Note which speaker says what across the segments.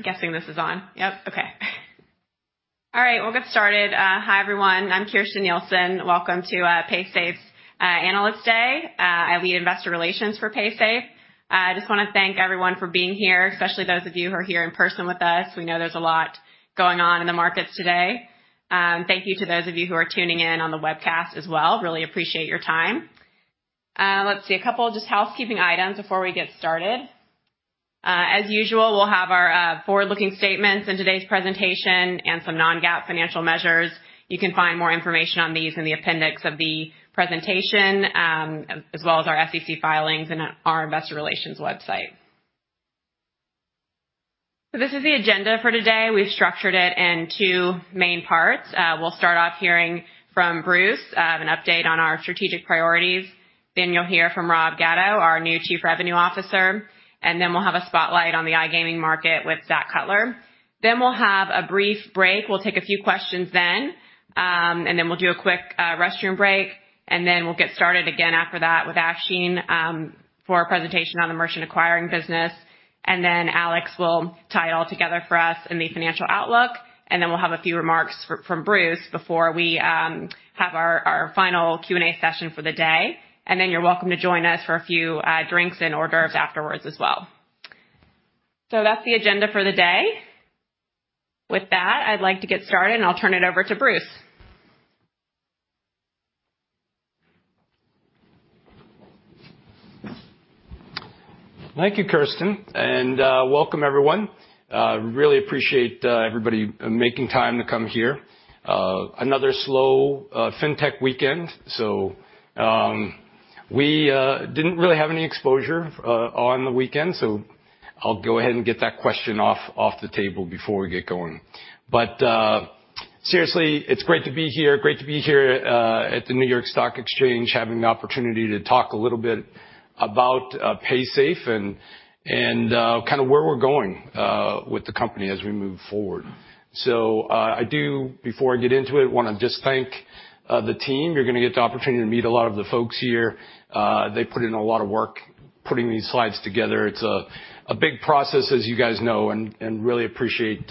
Speaker 1: I'm guessing this is on. We'll get started. Hi, everyone. I'm Kirsten Nielsen. Welcome to Paysafe's Analyst Day. I lead investor relations for Paysafe. I just wanna thank everyone for being here, especially those of you who are here in person with us. We know there's a lot going on in the markets today. Thank you to those of you who are tuning in on the webcast as well. Really appreciate your time. A couple of housekeeping items before we get started. As usual, we'll have our forward-looking statements in today's presentation and some non-GAAP financial measures. You can find more information on these in the appendix of the presentation, as well as our SEC filings and our investor relations website. This is the agenda for today. We've structured it in two main parts. We'll start off hearing from Bruce, have an update on our strategic priorities. You'll hear from Rob Gatto, our new chief revenue officer, and then we'll have a spotlight on the iGaming market with Zak Cutler. We'll have a brief break. We'll take a few questions then, and then we'll do a quick restroom break, and then we'll get started again after that with Afshin for a presentation on the merchant acquiring business. Alex will tie it all together for us in the financial outlook. We'll have a few remarks from Bruce before we have our final Q&A session for the day. You're welcome to join us for a few drinks and hors d'oeuvres afterwards as well. That's the agenda for the day. With that, I'd like to get started, and I'll turn it over to Bruce.
Speaker 2: Thank you, Kirsten. Welcome everyone. Really appreciate everybody making time to come here. Another slow fintech weekend, so we didn't really have any exposure on the weekend, so I'll go ahead and get that question off the table before we get going. Seriously, it's great to be here, great to be here at the New York Stock Exchange, having the opportunity to talk a little bit about Paysafe and kind of where we're going with the company as we move forward. I do, before I get into it, wanna just thank the team. You're gonna get the opportunity to meet a lot of the folks here. They put in a lot of work putting these slides together. It's a big process, as you guys know, and really appreciate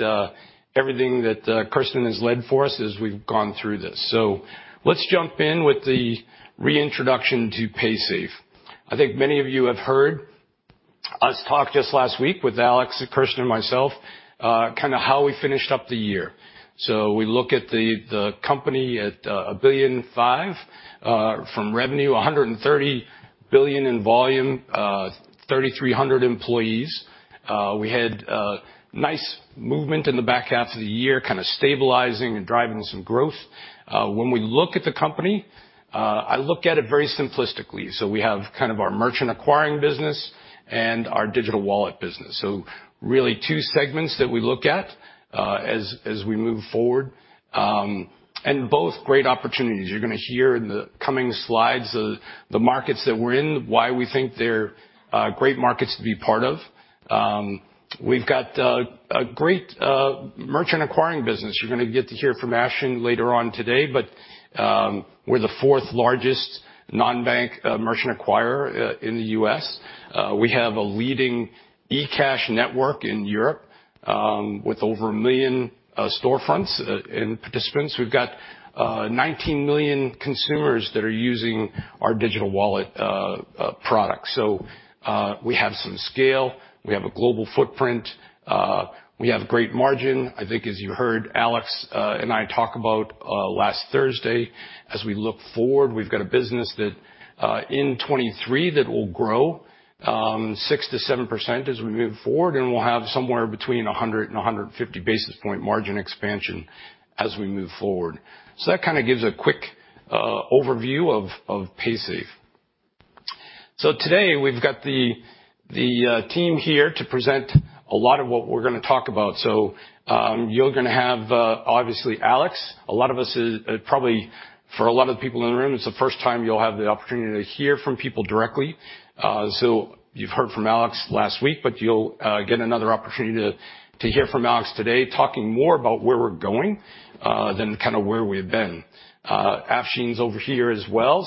Speaker 2: everything that Kirsten has led for us as we've gone through this. Let's jump in with the reintroduction to Paysafe. I think many of you have heard us talk just last week with Alex, Kirsten, and myself, kinda how we finished up the year. We look at the company at $1.5 billion from revenue, $130 billion in volume, 3,300 employees. We had nice movement in the back half of the year, kinda stabilizing and driving some growth. When we look at the company, I look at it very simplistically. We have kind of our merchant acquiring business and our digital wallet business. Really two segments that we look at as we move forward, and both great opportunities. You're gonna hear in the coming slides the markets that we're in, why we think they're great markets to be part of. We've got a great merchant acquiring business. You're gonna get to hear from Afshin later on today. We're the fourth largest non-bank merchant acquirer in the U.S. We have a leading eCash network in Europe with over 1 million storefronts and participants. We've got 19 million consumers that are using our digital wallet product. We have some scale. We have a global footprint. We have great margin. I think as you heard Alex and I talk about last Thursday, as we look forward, we've got a business that in 2023 that will grow 6% to 7% as we move forward, and we'll have somewhere between 100 and 150 basis point margin expansion as we move forward. That kinda gives a quick overview of Paysafe. Today we've got the team here to present a lot of what we're gonna talk about. You're gonna have obviously Alex. A lot of us is probably for a lot of the people in the room, it's the first time you'll have the opportunity to hear from people directly. You've heard from Alex last week, but you'll get another opportunity to hear from Alex today, talking more about where we're going than kinda where we have been. Afshin's over here as well.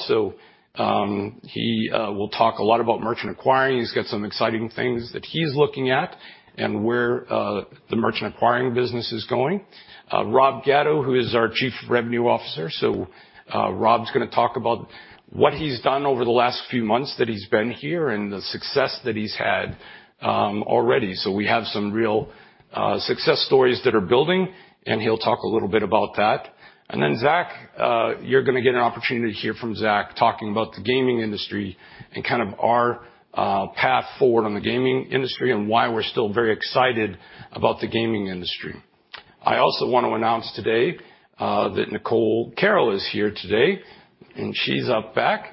Speaker 2: He will talk a lot about Merchant Acquiring. He's got some exciting things that he's looking at and where the Merchant Acquiring business is going. Rob Gatto, who is our Chief Revenue Officer. Rob's gonna talk about what he's done over the last few months that he's been here and the success that he's had already. We have some real success stories that are building, and he'll talk a little bit about that. Zak, you're gonna get an opportunity to hear from Zak talking about the gaming industry and kind of our path forward on the gaming industry and why we're still very excited about the gaming industry. I also want to announce today that Nicole Carroll is here today, and she's up back.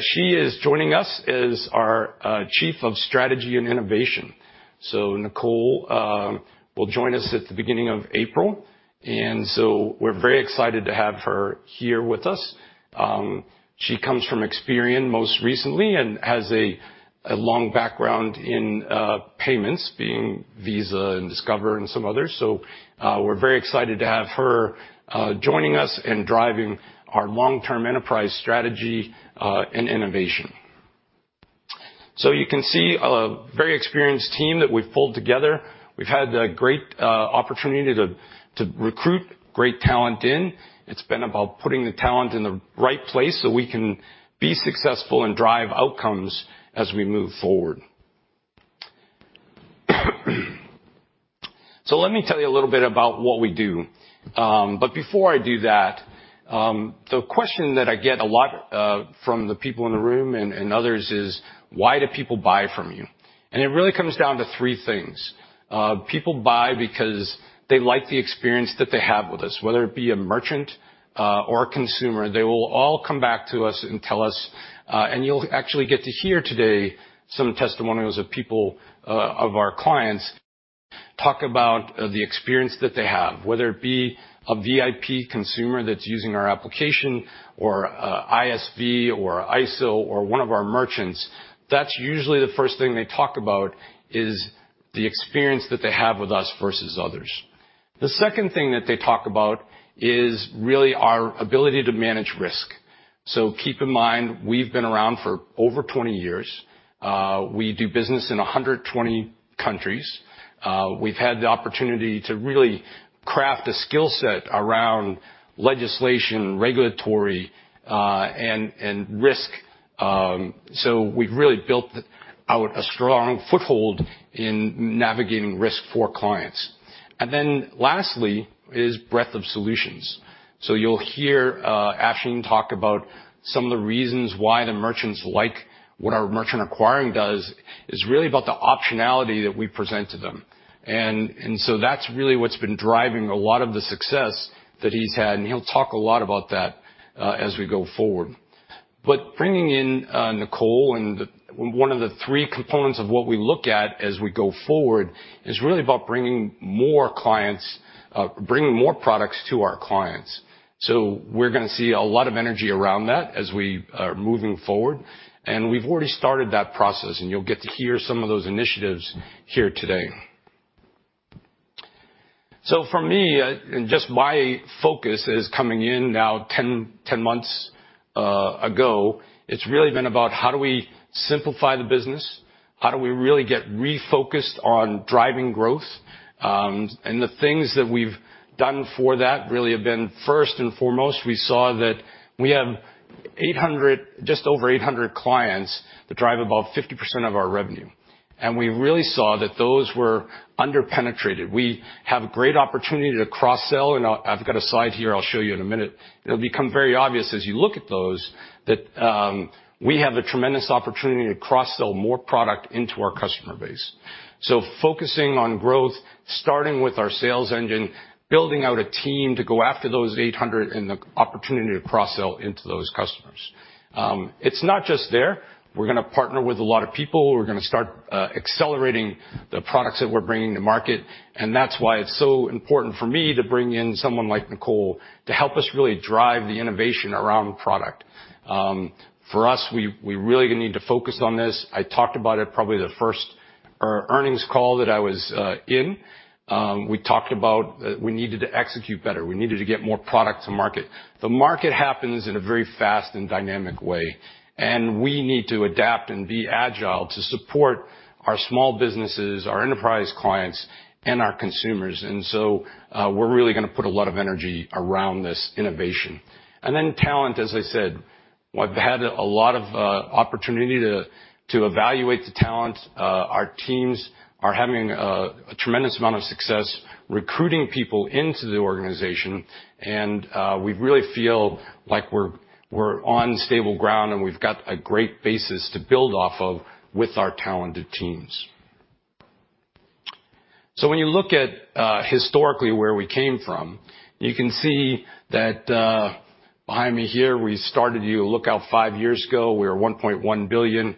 Speaker 2: She is joining us as our Chief of Strategy and Innovation. Nicole will join us at the beginning of April, we're very excited to have her here with us. She comes from Experian most recently and has a long background in payments, being Visa and Discover and some others. We're very excited to have her joining us and driving our long-term enterprise strategy and innovation. You can see a very experienced team that we've pulled together. We've had the great opportunity to recruit great talent in. It's been about putting the talent in the right place so we can be successful and drive outcomes as we move forward. Let me tell you a little bit about what we do. Before I do that, the question that I get a lot from the people in the room and others is, "Why do people buy from you?" It really comes down to three things. People buy because they like the experience that they have with us, whether it be a merchant or a consumer, they will all come back to us and tell us, and you'll actually get to hear today some testimonials of people of our clients talk about the experience that they have, whether it be a VIP consumer that's using our application or ISV or ISO or one of our merchants. That's usually the first thing they talk about is the experience that they have with us versus others. The second thing that they talk about is really our ability to manage risk. Keep in mind, we've been around for over 20 years. We do business in 120 countries. We've had the opportunity to really craft a skill set around legislation, regulatory, and risk, so we've really built out a strong foothold in navigating risk for clients. Lastly is breadth of solutions. You'll hear Afshin talk about some of the reasons why the merchants like what our merchant acquiring does. It's really about the optionality that we present to them. That's really what's been driving a lot of the success that he's had, and he'll talk a lot about that as we go forward. Bringing in Nicole Carroll and one of the three components of what we look at as we go forward is really about bringing more clients, bringing more products to our clients. We're gonna see a lot of energy around that as we are moving forward, and we've already started that process, and you'll get to hear some of those initiatives here today. For me, and just my focus is coming in now 10 months ago. It's really been about how do we simplify the business? How do we really get refocused on driving growth? The things that we've done for that really have been, first and foremost, we saw that we have just over 800 clients that drive about 50% of our revenue. We really saw that those were under-penetrated. We have great opportunity to cross-sell, and I've got a slide here I'll show you in a minute. It'll become very obvious as you look at those that we have a tremendous opportunity to cross-sell more product into our customer base. Focusing on growth, starting with our sales engine, building out a team to go after those 800 and the opportunity to cross-sell into those customers. It's not just there. We're gonna partner with a lot of people. We're gonna start accelerating the products that we're bringing to market, and that's why it's so important for me to bring in someone like Nicole to help us really drive the innovation around product. For us, we really need to focus on this. I talked about it probably the first earnings call that I was in. We talked about we needed to execute better. We needed to get more product to market. The market happens in a very fast and dynamic way, and we need to adapt and be agile to support our small businesses, our enterprise clients, and our consumers. We're really gonna put a lot of energy around this innovation. Talent, as I said, we've had a lot of opportunity to evaluate the talent. Our teams are having a tremendous amount of success recruiting people into the organization and we really feel like we're on stable ground, and we've got a great basis to build off of with our talented teams. When you look at historically where we came from, you can see that behind me here, we started, you look out five years ago, we were $1.1 billion.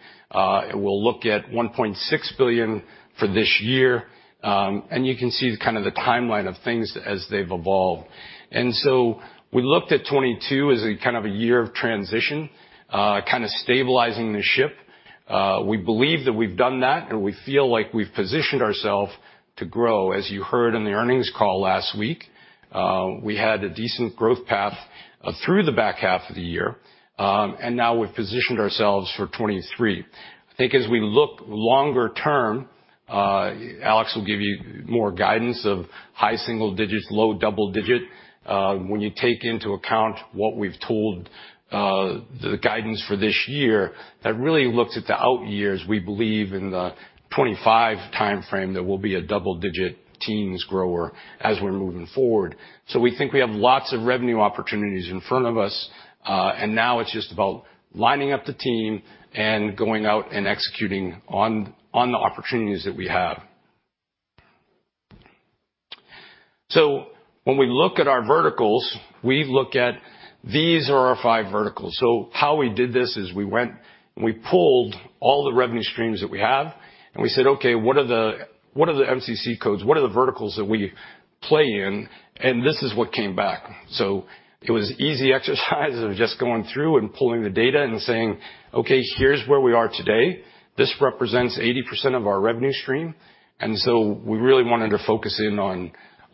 Speaker 2: We'll look at $1.6 billion for this year. You can see kind of the timeline of things as they've evolved. We looked at 2022 as a kind of a year of transition, kind of stabilizing the ship. We believe that we've done that, and we feel like we've positioned ourself to grow. As you heard in the earnings call last week, we had a decent growth path through the back half of the year. Now we've positioned ourselves for 2023. I think as we look longer term, Alex will give you more guidance of high single digits, low double digit. When you take into account what we've told, the guidance for this year, that really looks at the out years. We believe in the 2025 timeframe, there will be a double-digit teens grower as we're moving forward. We think we have lots of revenue opportunities in front of us, and now it's just about lining up the team and going out and executing on the opportunities that we have. When we look at our verticals, we look at these are our five verticals. How we did this is we went and we pulled all the revenue streams that we have, and we said, "Okay, what are the MCC codes? What are the verticals that we play in?" This is what came back. It was easy exercise of just going through and pulling the data and saying, "Okay, here's where we are today. This represents 80% of our revenue stream." We really wanted to focus in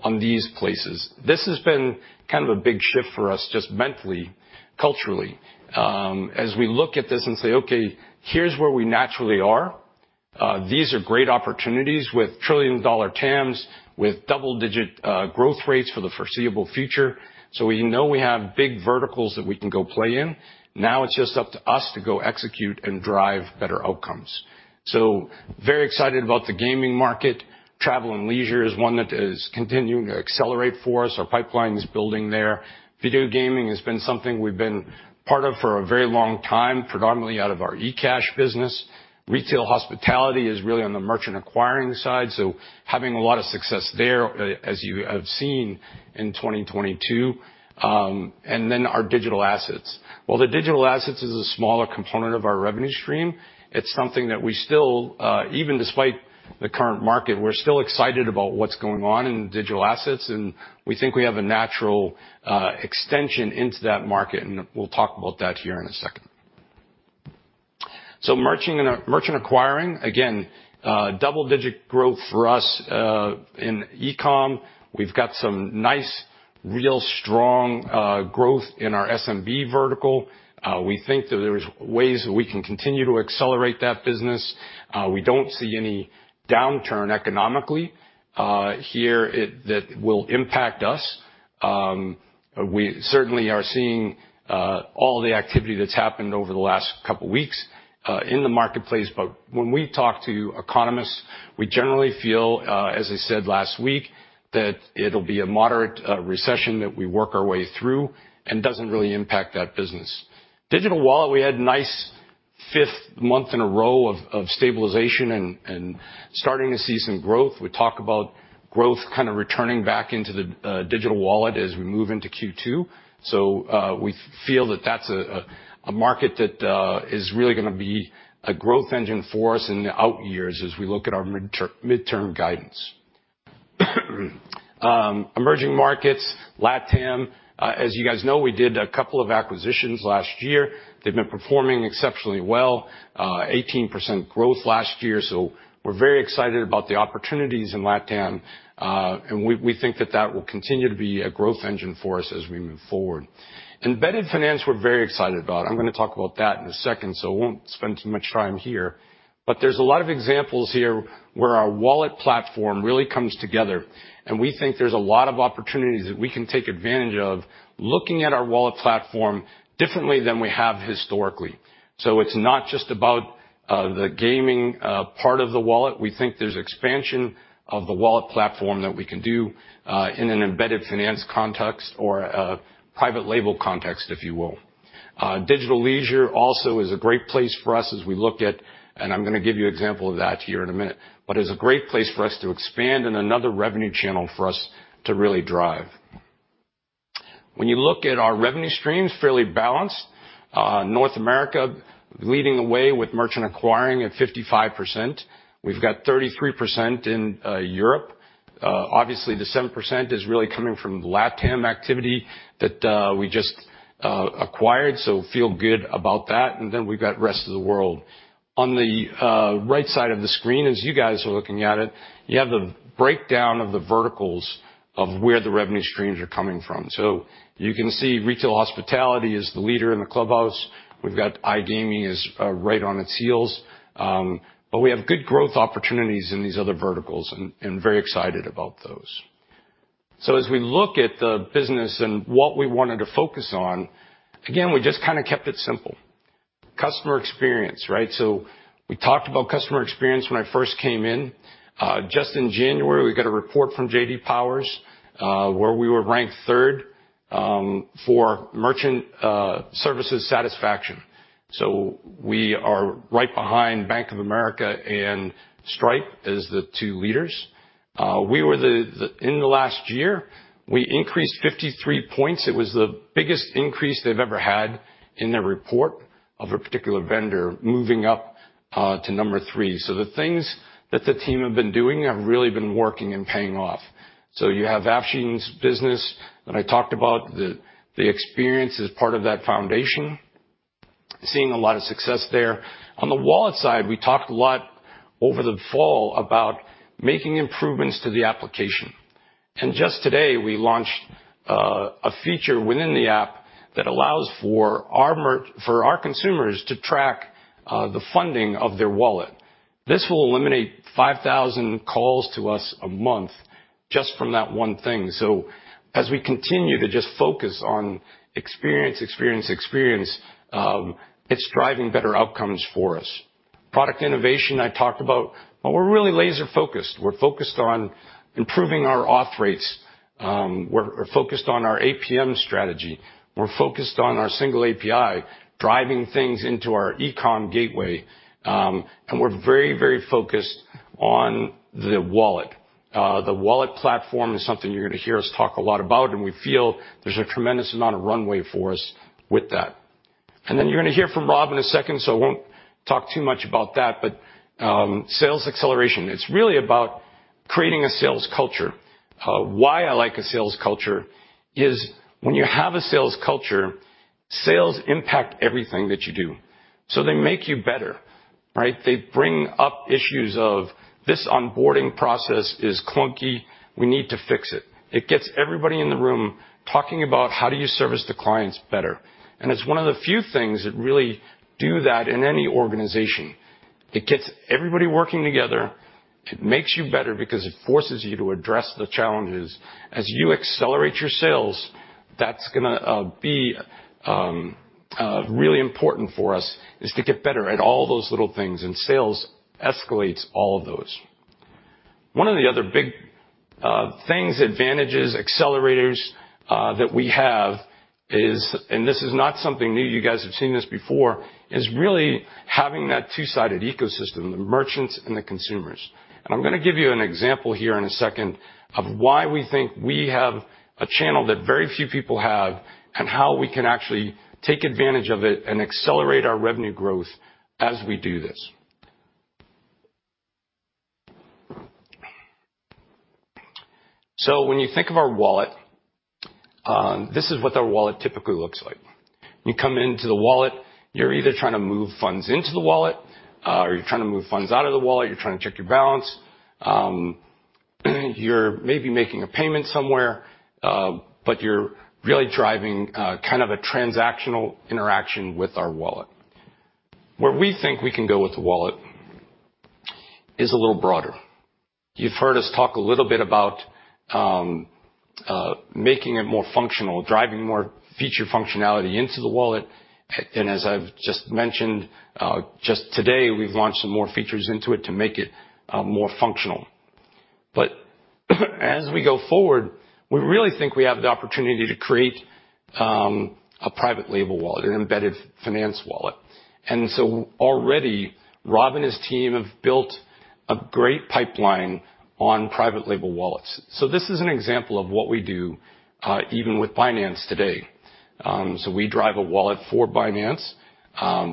Speaker 2: on these places. This has been kind of a big shift for us just mentally, culturally, as we look at this and say, "Okay, here's where we naturally are." These are great opportunities with trillion-dollar TAMs, with double-digit growth rates for the foreseeable future. We know we have big verticals that we can go play in. Now it's just up to us to go execute and drive better outcomes. Very excited about the gaming market. Travel and leisure is one that is continuing to accelerate for us. Our pipeline is building there. Video gaming has been something we've been part of for a very long time, predominantly out of our eCash business. Retail hospitality is really on the merchant acquiring side, having a lot of success there as you have seen in 2022. Our digital assets. While the digital assets is a smaller component of our revenue stream, it's something that we still, even despite the current market, we're still excited about what's going on in digital assets, and we think we have a natural extension into that market, and we'll talk about that here in a second. Merchant acquiring, again, double-digit growth for us in e-com. We've got some nice, real strong growth in our SMB vertical. We think that there's ways that we can continue to accelerate that business. We don't see any downturn economically here that will impact us. We certainly are seeing all the activity that's happened over the last couple weeks in the marketplace. When we talk to economists, we generally feel, as I said last week, that it'll be a moderate recession that we work our way through and doesn't really impact that business. Digital wallet, we had nice fifth month in a row of stabilization and starting to see some growth. We talk about growth kind of returning back into the digital wallet as we move into Q2. We feel that that's a market that is really gonna be a growth engine for us in the out years as we look at our midterm guidance. Emerging markets, LatAm, as you guys know, we did a couple of acquisitions last year. They've been performing exceptionally well, 18% growth last year, we're very excited about the opportunities in LatAm. We, we think that that will continue to be a growth engine for us as we move forward. Embedded finance, we're very excited about. I'm gonna talk about that in a second, so I won't spend too much time here. There's a lot of examples here where our wallet platform really comes together, and we think there's a lot of opportunities that we can take advantage of looking at our wallet platform differently than we have historically. It's not just about the gaming part of the wallet. We think there's expansion of the wallet platform that we can do in an embedded finance context or a private label context, if you will. Digital leisure also is a great place for us as we look at, and I'm gonna give you example of that here in a minute. It's a great place for us to expand and another revenue channel for us to really drive. When you look at our revenue streams, fairly balanced. North America leading the way with merchant acquiring at 55%. We've got 33% in Europe. Obviously, the 7% is really coming from LatAm activity that we just acquired, so feel good about that. We've got rest of the world. On the right side of the screen, as you guys are looking at it, you have the breakdown of the verticals of where the revenue streams are coming from. You can see retail hospitality is the leader in the clubhouse. We've got iGaming is right on its heels. We have good growth opportunities in these other verticals and very excited about those. As we look at the business and what we wanted to focus on, again, we just kind of kept it simple. Customer experience, right? We talked about customer experience when I first came in. Just in January, we got a report from J.D. Power, where we were ranked third for merchant services satisfaction. We are right behind Bank of America and Stripe as the two leaders. In the last year, we increased 53 points. It was the biggest increase they've ever had in their report of a particular vendor moving up to number three. The things that the team have been doing have really been working and paying off. You have Afshin's business that I talked about. The experience is part of that foundation. Seeing a lot of success there. On the wallet side, we talked a lot over the fall about making improvements to the application. Just today, we launched a feature within the app that allows for our consumers to track the funding of their wallet. This will eliminate 5,000 calls to us a month just from that one thing. As we continue to just focus on experience, experience, it's driving better outcomes for us. Product innovation, I talked about. We're really laser-focused. We're focused on improving our auth rates. We're focused on our APM strategy. We're focused on our single API, driving things into our e-com gateway. We're very focused on the wallet. The wallet platform is something you're gonna hear us talk a lot about, and we feel there's a tremendous amount of runway for us with that. You're gonna hear from Rob in a second, so I won't talk too much about that. Sales acceleration, it's really about creating a sales culture. Why I like a sales culture is when you have a sales culture, sales impact everything that you do. They make you better, right? They bring up issues of this onboarding process is clunky, we need to fix it. It gets everybody in the room talking about how do you service the clients better. It's one of the few things that really do that in any organization. It gets everybody working together. It makes you better because it forces you to address the challenges. As you accelerate your sales, that's gonna be really important for us, is to get better at all those little things, and sales escalates all of those. One of the other big things, advantages, accelerators, that we have is, and this is not something new, you guys have seen this before, is really having that two-sided ecosystem, the merchants and the consumers. I'm gonna give you an example here in a second of why we think we have a channel that very few people have, and how we can actually take advantage of it and accelerate our revenue growth as we do this. When you think of our wallet, this is what the wallet typically looks like. When you come into the wallet, you're either trying to move funds into the wallet, or you're trying to move funds out of the wallet, you're trying to check your balance, you're maybe making a payment somewhere, but you're really driving, kind of a transactional interaction with our wallet. Where we think we can go with the wallet is a little broader. You've heard us talk a little bit about making it more functional, driving more feature functionality into the wallet, and as I've just mentioned, just today, we've launched some more features into it to make it more functional. As we go forward, we really think we have the opportunity to create a private label wallet, an embedded finance wallet. Already, Rob and his team have built a great pipeline on private label wallets. This is an example of what we do, even with finance today. We drive a wallet for Binance.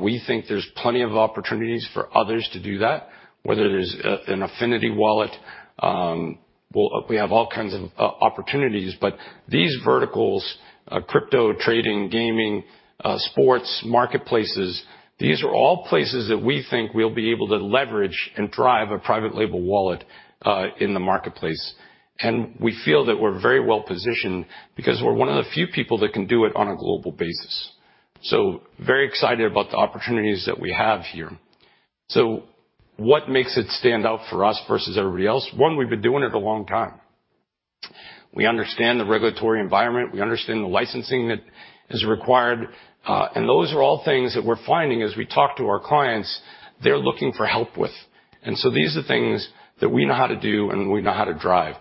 Speaker 2: We think there's plenty of opportunities for others to do that, whether it is an affinity wallet. Well, we have all kinds of opportunities, but these verticals, crypto, trading, gaming, sports, marketplaces. These are all places that we think we'll be able to leverage and drive a private label wallet in the marketplace. We feel that we're very well-positioned because we're one of the few people that can do it on a global basis. Very excited about the opportunities that we have here. What makes it stand out for us versus everybody else? One, we've been doing it a long time. We understand the regulatory environment, we understand the licensing that is required. Those are all things that we're finding as we talk to our clients they're looking for help with. These are things that we know how to do and we know how to drive.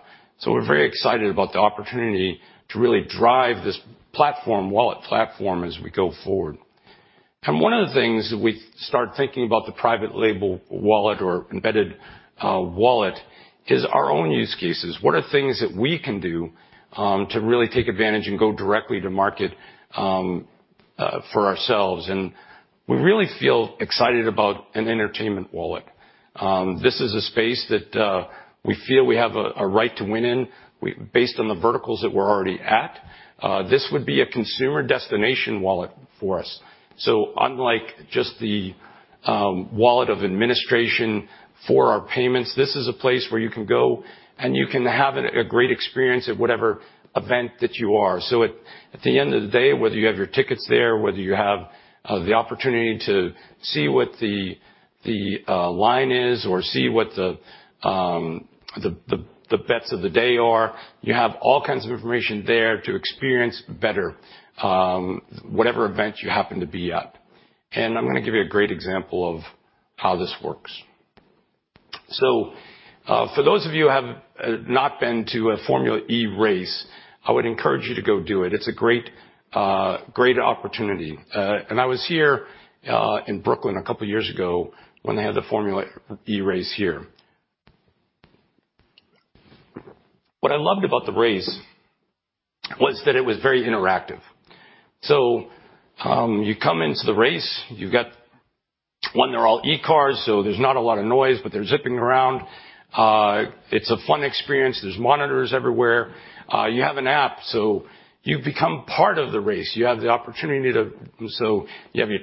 Speaker 2: We're very excited about the opportunity to really drive this platform, wallet platform as we go forward. One of the things that we start thinking about the private label wallet or embedded wallet is our own use cases. What are things that we can do to really take advantage and go directly to market for ourselves? We really feel excited about an entertainment wallet. This is a space that we feel we have a right to win in based on the verticals that we're already at. This would be a consumer destination wallet for us. Unlike just the wallet of administration for our payments, this is a place where you can go and you can have a great experience at whatever event that you are. At the end of the day, whether you have your tickets there, whether you have the opportunity to see what the line is or see what the bets of the day are, you have all kinds of information there to experience better whatever event you happen to be at. I'm gonna give you a great example of how this works. For those of you have not been to a Formula E race, I would encourage you to go do it. It's a great great opportunity. I was here in Brooklyn a couple years ago when they had the Formula E race here. What I loved about the race was that it was very interactive. You come into the race, they're all E cars, so there's not a lot of noise, but they're zipping around. It's a fun experience. There's monitors everywhere. You have an app, you become part of the race. You have your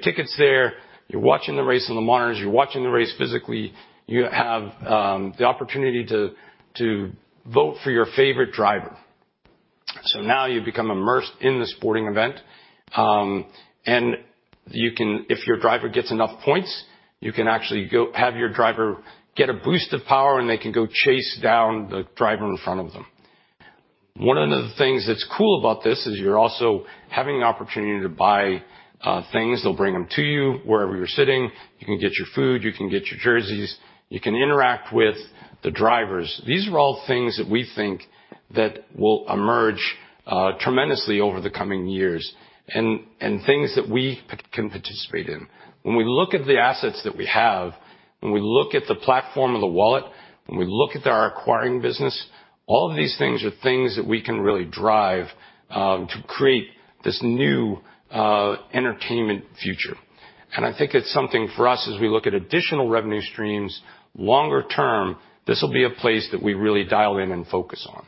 Speaker 2: tickets there, you're watching the race on the monitors, you're watching the race physically. You have the opportunity to vote for your favorite driver. Now you've become immersed in the sporting event. If your driver gets enough points, you can actually go have your driver get a boost of power and they can go chase down the driver in front of them. One of the things that's cool about this is you're also having the opportunity to buy things. They'll bring them to you wherever you're sitting. You can get your food, you can get your jerseys, you can interact with the drivers. These are all things that we think that will emerge tremendously over the coming years and things that we can participate in. When we look at the assets that we have, when we look at the platform of the wallet, when we look at our acquiring business, all of these things are things that we can really drive to create this new entertainment future. I think it's something for us as we look at additional revenue streams longer term, this will be a place that we really dial in and focus on.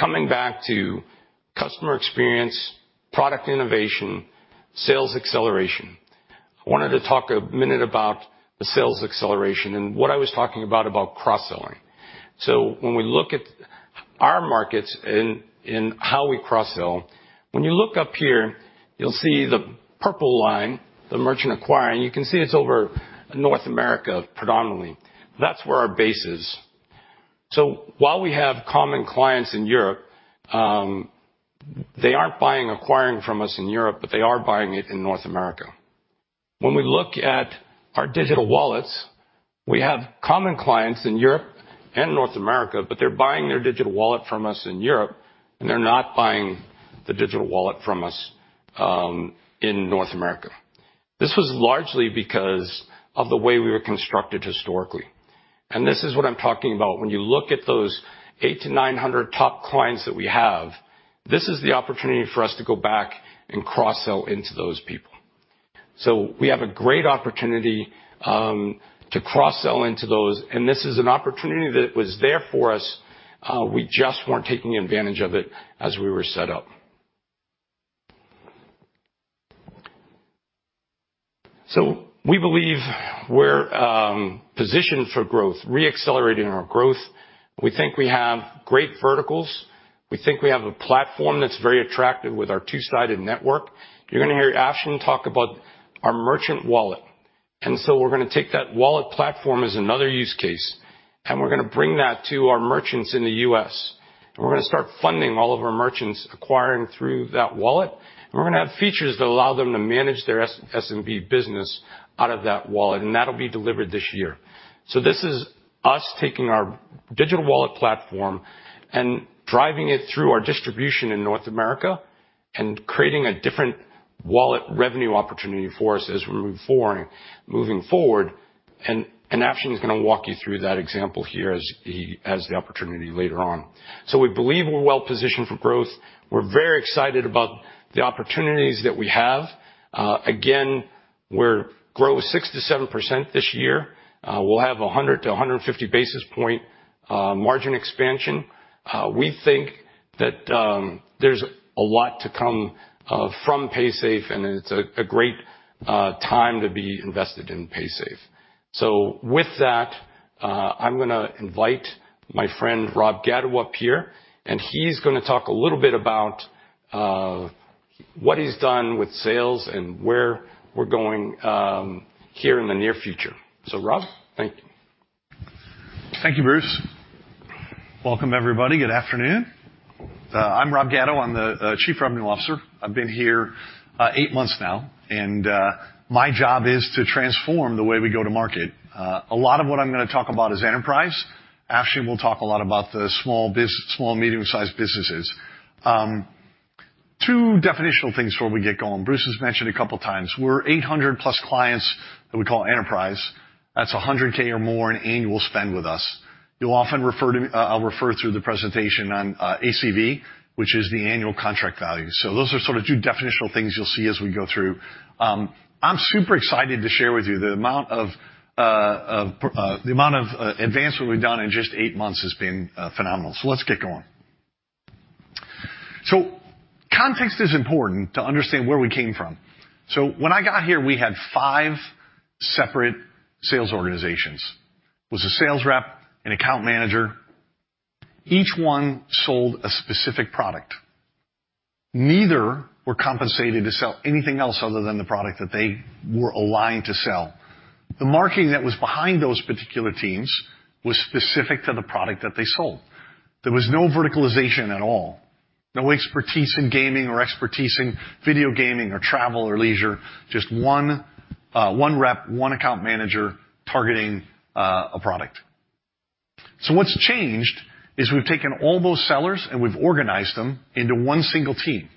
Speaker 2: Coming back to customer experience, product innovation, sales acceleration. I wanted to talk a minute about the sales acceleration and what I was talking about cross-selling. When we look at our markets and how we cross-sell, when you look up here, you'll see the purple line, the merchant acquiring. You can see it's over North America predominantly. That's where our base is. While we have common clients in Europe, they aren't buying acquiring from us in Europe, but they are buying it in North America. When we look at our digital wallets, we have common clients in Europe and North America, but they're buying their digital wallet from us in Europe, and they're not buying the digital wallet from us in North America. This was largely because of the way we were constructed historically. This is what I'm talking about when you look at those 800-900 top clients that we have, this is the opportunity for us to go back and cross-sell into those people. We have a great opportunity to cross-sell into those, and this is an opportunity that was there for us, we just weren't taking advantage of it as we were set up. We believe we're positioned for growth, reaccelerating our growth. We think we have great verticals. We think we have a platform that's very attractive with our two-sided network. You're going to hear Afshin talk about our merchant wallet. So we're going to take that wallet platform as another use case, and we're going to bring that to our merchants in the U.S., and we're going to start funding all of our merchants acquiring through that wallet. We're going to have features that allow them to manage their SMB business out of that wallet, and that'll be delivered this year. This is us taking our digital wallet platform and driving it through our distribution in North America and creating a different wallet revenue opportunity for us as we move forward. Afshin is going to walk you through that example here as the opportunity later on. We believe we're well-positioned for growth. We're very excited about the opportunities that we have. Again, we're grow 6%-7% this year. We'll have 100 to 150 basis point margin expansion. We think that there's a lot to come from Paysafe, and it's a great time to be invested in Paysafe. With that, I'm gonna invite my friend Rob Gatto up here, and he's gonna talk a little bit about what he's done with sales and where we're going here in the near future. Rob, thank you.
Speaker 3: Thank you, Bruce. Welcome, everybody. Good afternoon. I'm Rob Gatto, I'm the Chief Revenue Officer. I've been here eight months now. My job is to transform the way we go to market. A lot of what I'm going to talk about is enterprise. Afshin will talk a lot about the small and medium-sized businesses. Two definitional things before we get going. Bruce has mentioned a couple of times, we're 800+ clients that we call enterprise. That's a $100K or more in annual spend with us. You'll often I'll refer through the presentation on ACV, which is the annual contract value. Those are sort of two definitional things you'll see as we go through. I'm super excited to share with you the amount of advancement we've done in just 8 months has been phenomenal. Let's get going. Context is important to understand where we came from. When I got here, we had five separate sales organizations. Was a sales rep, an account manager. Each one sold a specific product. Neither were compensated to sell anything else other than the product that they were aligned to sell. The marketing that was behind those particular teams was specific to the product that they sold. There was no verticalization at all, no expertise in gaming or expertise in video gaming or travel or leisure, just one rep, one account manager targeting a product. What's changed is we've taken all those sellers, and we've organized them into one single team,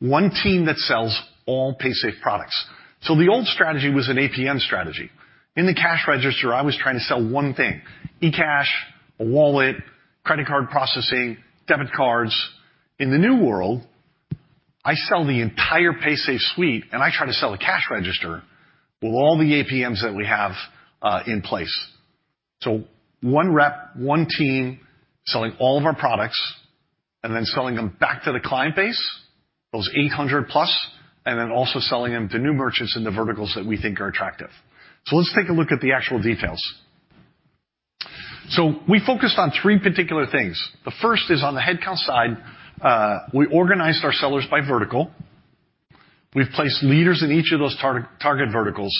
Speaker 3: one team that sells all Paysafe products. The old strategy was an APM strategy. In the cash register, I was trying to sell one thing, eCash, a wallet, credit card processing, debit cards. In the new world, I sell the entire Paysafe suite, and I try to sell a cash register with all the APMs that we have in place. One rep, one team selling all of our products and then selling them back to the client base, those 800+, and then also selling them to new merchants in the verticals that we think are attractive. Let's take a look at the actual details. We focused on three particular things. The first is on the headcount side, we organized our sellers by vertical. We've placed leaders in each of those target verticals.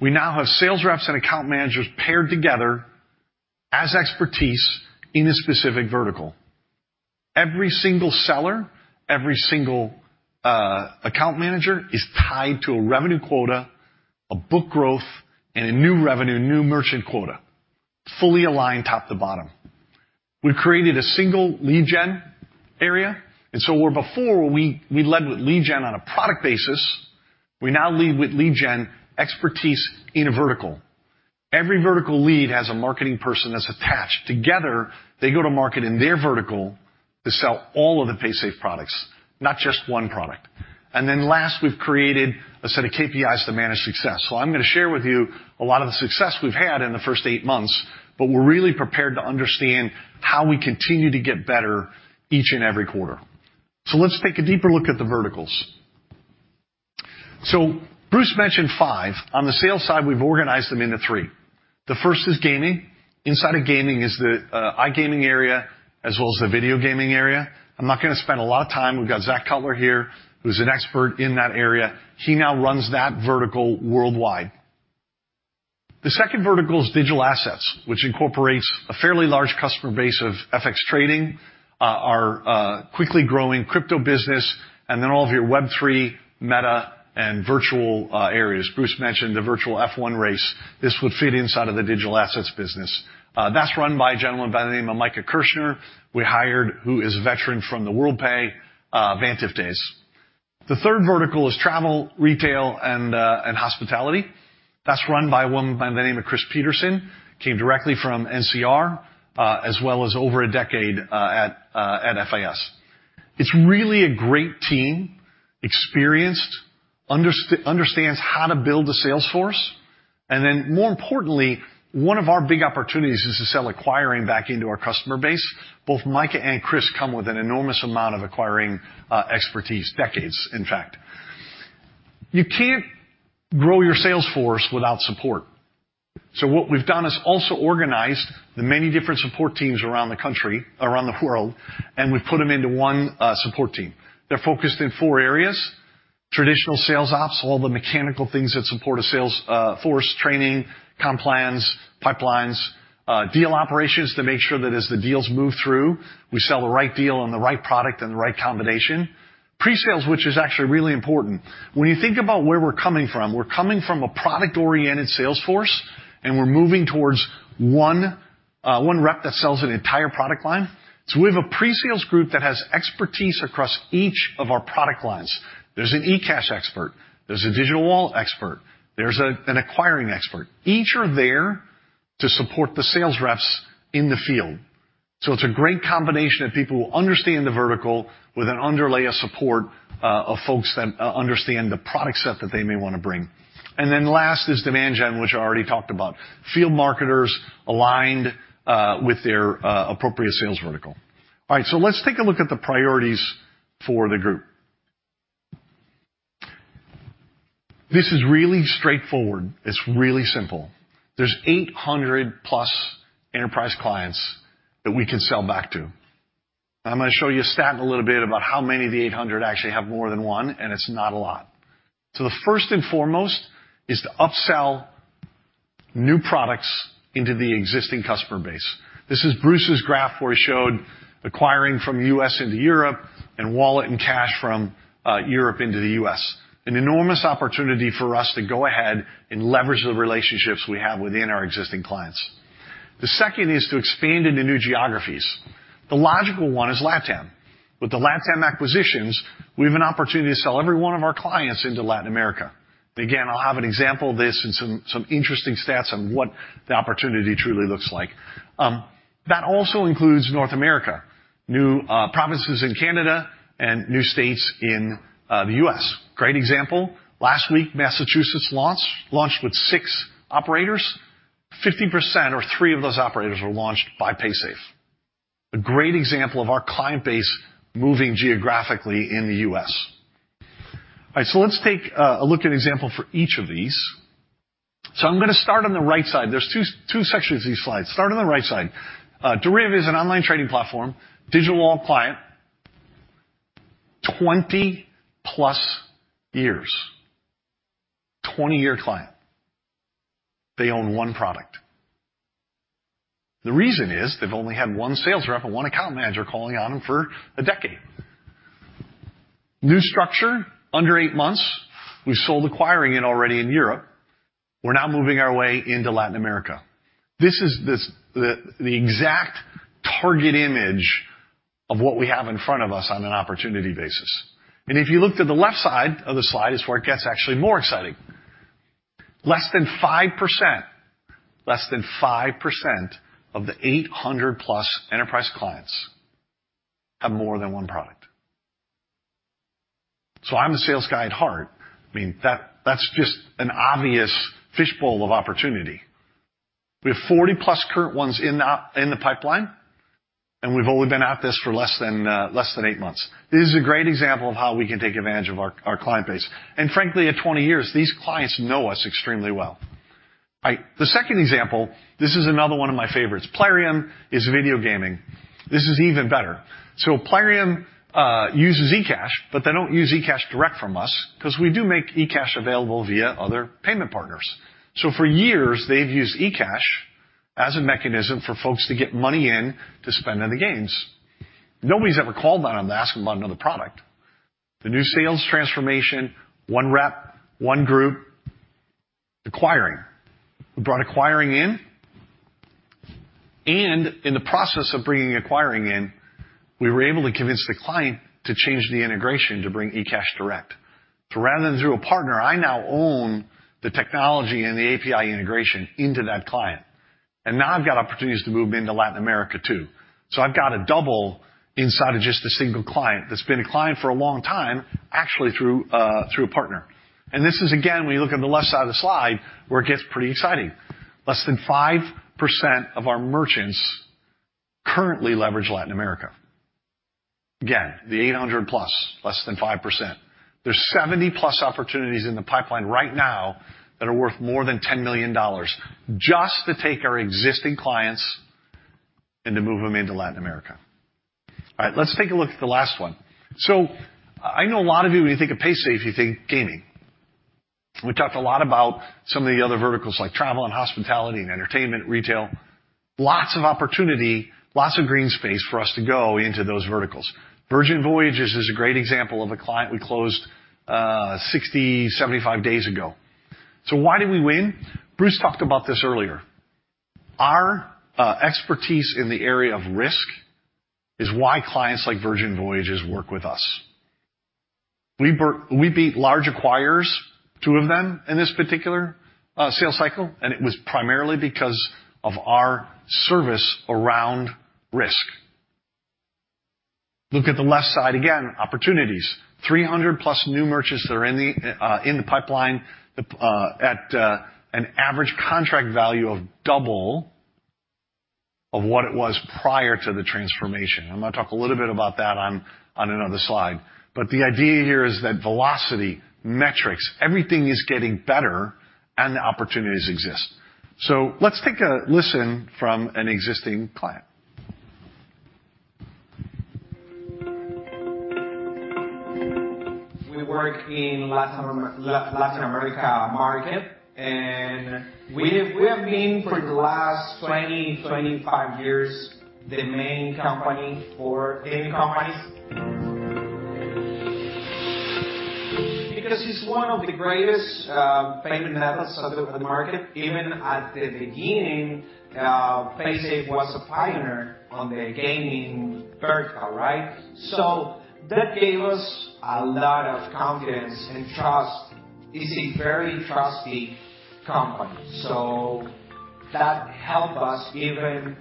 Speaker 3: We now have sales reps and account managers paired together as expertise in a specific vertical. Every single seller, every single account manager is tied to a revenue quota, a book growth, and a new revenue, new merchant quota, fully aligned top to bottom. We've created a single lead gen area. Where before we led with lead gen on a product basis, we now lead with lead gen expertise in a vertical. Every vertical lead has a marketing person that's attached. Together, they go to market in their vertical to sell all of the Paysafe products, not just one product. Last, we've created a set of KPIs to manage success. I'm going to share with you a lot of the success we've had in the first 8 months, but we're really prepared to understand how we continue to get better each and every quarter. Let's take a deeper look at the verticals. Bruce mentioned five. On the sales side, we've organized them into three. The first is gaming. Inside of gaming is the iGaming area as well as the video gaming area. I'm not gonna spend a lot of time. We've got Zak Cutler here, who's an expert in that area. He now runs that vertical worldwide. The second vertical is digital assets, which incorporates a fairly large customer base of FX trading, our quickly growing crypto business, and then all of your Web3, meta, and virtual areas. Bruce mentioned the virtual F1 race. This would fit inside of the digital assets business. That's run by a gentleman by the name of Micah Kirchner, we hired, who is a veteran from the Worldpay, Vantiv days. The third vertical is travel, retail, and hospitality. That's run by a woman by the name of Chris Peterson, came directly from NCR, as well as over a decade at FIS. It's really a great team, experienced, understands how to build a sales force, and then more importantly, one of our big opportunities is to sell acquiring back into our customer base. Both Micah and Chris come with an enormous amount of acquiring expertise, decades, in fact. You can't grow your sales force without support. What we've done is also organized the many different support teams around the country, around the world, and we've put them into one support team. They're focused in four areas: traditional sales ops, all the mechanical things that support a sales force, training, comp plans, pipelines, deal operations to make sure that as the deals move through, we sell the right deal and the right product and the right combination. Pre-sales, which is actually really important. When you think about where we're coming from, we're coming from a product-oriented sales force, and we're moving towards one rep that sells an entire product line. We have a pre-sales group that has expertise across each of our product lines. There's an eCash expert, there's a digital wallet expert, there's an acquiring expert. Each are there to support the sales reps in the field. It's a great combination of people who understand the vertical with an underlay of support, of folks that understand the product set that they may wanna bring. Last is demand gen, which I already talked about. Field marketers aligned with their appropriate sales vertical. All right, let's take a look at the priorities for the group. This is really straightforward. It's really simple. There's 800-plus enterprise clients that we can sell back to. I'm gonna show you a stat in a little bit about how many of the 800 actually have more than one, and it's not a lot. The first and foremost is to upsell new products into the existing customer base. This is Bruce's graph where he showed acquiring from U.S. into Europe and wallet and cash from Europe into the U.S. An enormous opportunity for us to go ahead and leverage the relationships we have within our existing clients. The second is to expand into new geographies. The logical one is LatAm. With the LatAm acquisitions, we have an opportunity to sell every one of our clients into Latin America. Again, I'll have an example of this and some interesting stats on what the opportunity truly looks like. That also includes North America, new provinces in Canada and new states in the U.S. Great example, last week, Massachusetts launched with six operators. 50% or three of those operators were launched by Paysafe. A great example of our client base moving geographically in the U.S. All right, let's take a look at an example for each of these. I'm gonna start on the right side. There's two sections of these slides. Start on the right side. Deriv is an online trading platform, digital wallet client. 20-plus years. 20-year client. They own one product. The reason is they've only had one sales rep and one account manager calling on them for a decade. New structure, under 8 months, we've sold acquiring it already in Europe. We're now moving our way into Latin America. This is the exact target image of what we have in front of us on an opportunity basis. If you look to the left side of the slide is where it gets actually more exciting. Less than 5% of the 800-plus enterprise clients have more than one product. I'm a sales guy at heart. I mean, that's just an obvious fishbowl of opportunity. We have 40+ current ones in the pipeline. We've only been at this for less than eight months. This is a great example of how we can take advantage of our client base. Frankly, at 20 years, these clients know us extremely well. The second example. This is another one of my favorites. Plarium is video gaming. This is even better. Plarium uses eCash. They don't use eCash direct from us 'cause we do make eCash available via other payment partners. For years, they've used eCash as a mechanism for folks to get money in to spend on the games. Nobody's ever called on them to ask them about another product. The new sales transformation, one rep, one group, acquiring. We brought acquiring in the process of bringing acquiring in, we were able to convince the client to change the integration to bring eCash direct. Rather than through a partner, I now own the technology and the API integration into that client. Now I've got opportunities to move into Latin America too. I've got a double inside of just a single client that's been a client for a long time, actually through a partner. This is again, when you look at the left side of the slide, where it gets pretty exciting. Less than 5% of our merchants currently leverage Latin America. Again, the 800+, less than 5%. There's 70+ opportunities in the pipeline right now that are worth more than $10 million just to take our existing clients and to move them into Latin America. All right. I know a lot of you, when you think of Paysafe, you think gaming. We talked a lot about some of the other verticals like travel and hospitality and entertainment, retail. Lots of opportunity, lots of green space for us to go into those verticals. Virgin Voyages is a great example of a client we closed, 60, 75 days ago. Why did we win? Bruce talked about this earlier. Our expertise in the area of risk is why clients like Virgin Voyages work with us. We beat large acquirers, two of them in this particular sales cycle, and it was primarily because of our service around risk. Look at the left side again, opportunities. 300 plus new merchants that are in the in the pipeline at an average contract value of double of what it was prior to the transformation. I'm gonna talk a little bit about that on another slide. The idea here is that velocity, metrics, everything is getting better and the opportunities exist. Let's take a listen from an existing client.
Speaker 4: We work in Latin America market, we have been, for the last 20-25 years, the main company for gaming companies. It's one of the greatest payment methods on the market. Even at the beginning, Paysafe was a pioneer on the gaming vertical, right? That gave us a lot of confidence and trust. It's a very trusty company, that help us even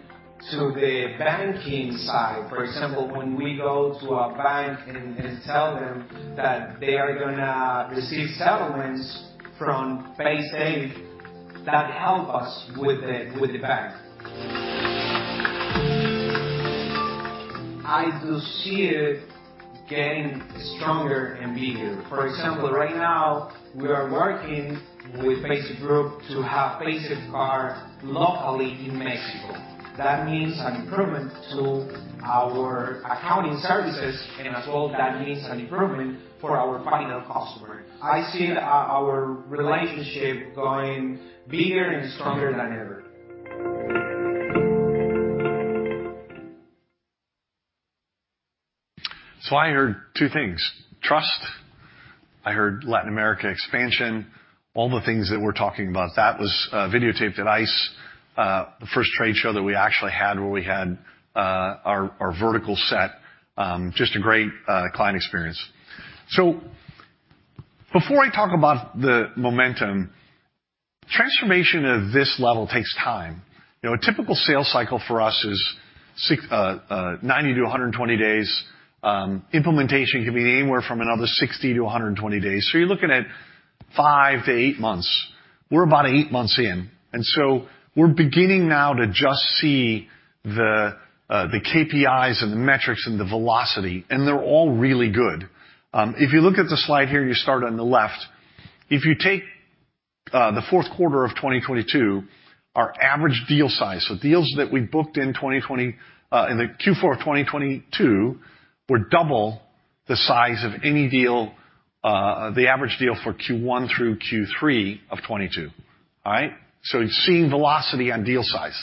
Speaker 4: to the banking side. For example, when we go to a bank and tell them that they are gonna receive settlements from Paysafe, that help us with the bank. I do see it getting stronger and bigger. For example, right now, we are working with Paysafe Group to have paysafecard locally in Mexico. That means an improvement to our accounting services, as well, that means an improvement for our final customer. I see, our relationship going bigger and stronger than ever.
Speaker 3: I heard two things, trust. I heard Latin America expansion, all the things that we're talking about. That was videotaped at ICE, the first trade show that we actually had where we had our vertical set. Just a great client experience. Before I talk about the momentum, transformation of this level takes time. You know, a typical sales cycle for us is 90-120 days. Implementation can be anywhere from another 60-120 days. You're looking at 5-8 months. We're about 8 months in, we're beginning now to just see the KPIs and the metrics and the velocity, and they're all really good. If you look at the slide here, you start on the left. If you take the fourth quarter of 2022, our average deal size. Deals that we booked in Q4 of 2022 were double the size of any deal, the average deal for Q1 through Q3 of 2022. All right? You're seeing velocity on deal size.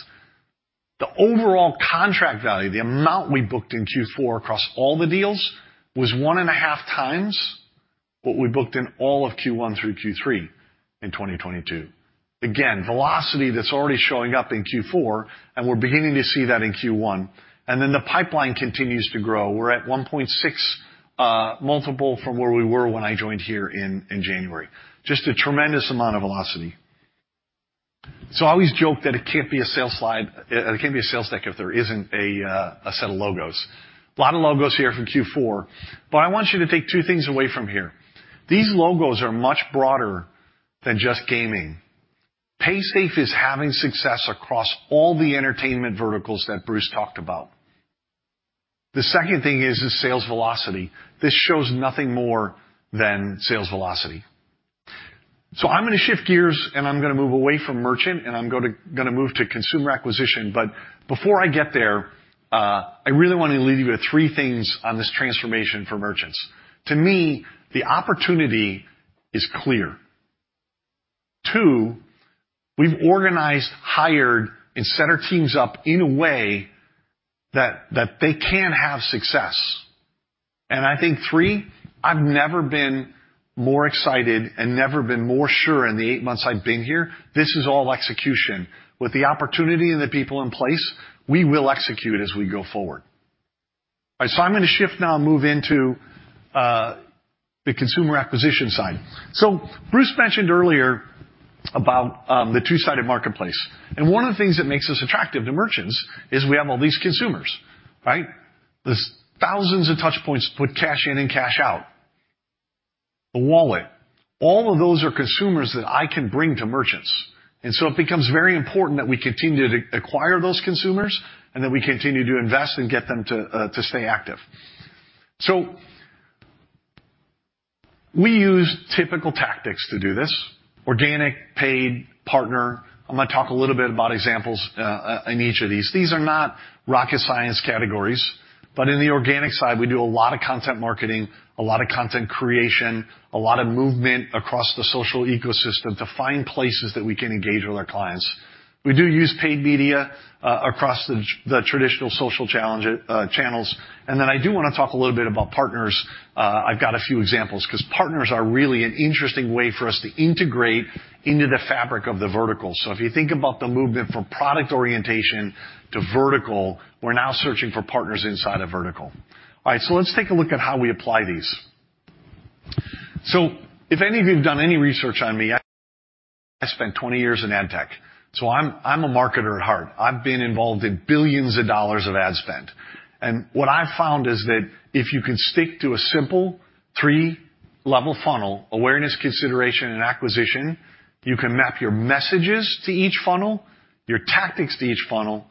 Speaker 3: The overall contract value, the amount we booked in Q4 across all the deals was one and a half times what we booked in all of Q1 through Q3 in 2022. Again, velocity that's already showing up in Q4, and we're beginning to see that in Q1. The pipeline continues to grow. We're at 1.6 multiple from where we were when I joined here in January. Just a tremendous amount of velocity. I always joke that it can't be a sales slide... it can't be a sales deck if there isn't a set of logos. A lot of logos here from Q4. I want you to take two things away from here. These logos are much broader than just gaming. Paysafe is having success across all the entertainment verticals that Bruce talked about. The second thing is the sales velocity. This shows nothing more than sales velocity. I'm gonna shift gears, and I'm gonna move away from merchant, and I'm gonna move to consumer acquisition. Before I get there, I really want to leave you with three things on this transformation for merchants. To me, the opportunity is clear. Two, we've organized, hired, and set our teams up in a way that they can have success. I think three, I've never been more excited and never been more sure in the eight months I've been here, this is all execution. With the opportunity and the people in place, we will execute as we go forward. All right, I'm gonna shift now and move into the consumer acquisition side. Bruce mentioned earlier about the two-sided marketplace, and one of the things that makes us attractive to merchants is we have all these consumers, right? There's thousands of touch points to put cash in and cash out. The wallet. All of those are consumers that I can bring to merchants. It becomes very important that we continue to acquire those consumers and that we continue to invest and get them to stay active. We use typical tactics to do this. Organic, paid, partner. I'm gonna talk a little bit about examples in each of these. These are not rocket science categories. In the organic side, we do a lot of content marketing, a lot of content creation, a lot of movement across the social ecosystem to find places that we can engage with our clients. We do use paid media across the traditional social challenge, channels. Then I do wanna talk a little bit about partners. I've got a few examples 'cause partners are really an interesting way for us to integrate into the fabric of the vertical. If you think about the movement from product orientation to vertical, we're now searching for partners inside a vertical. All right, let's take a look at how we apply these. If any of you have done any research on me, I spent 20 years in ad tech, so I'm a marketer at heart. I've been involved in billions of dollars of ad spend. What I've found is that if you can stick to a simple 3-level funnel, awareness, consideration, and acquisition, you can map your messages to each funnel, your tactics to each funnel,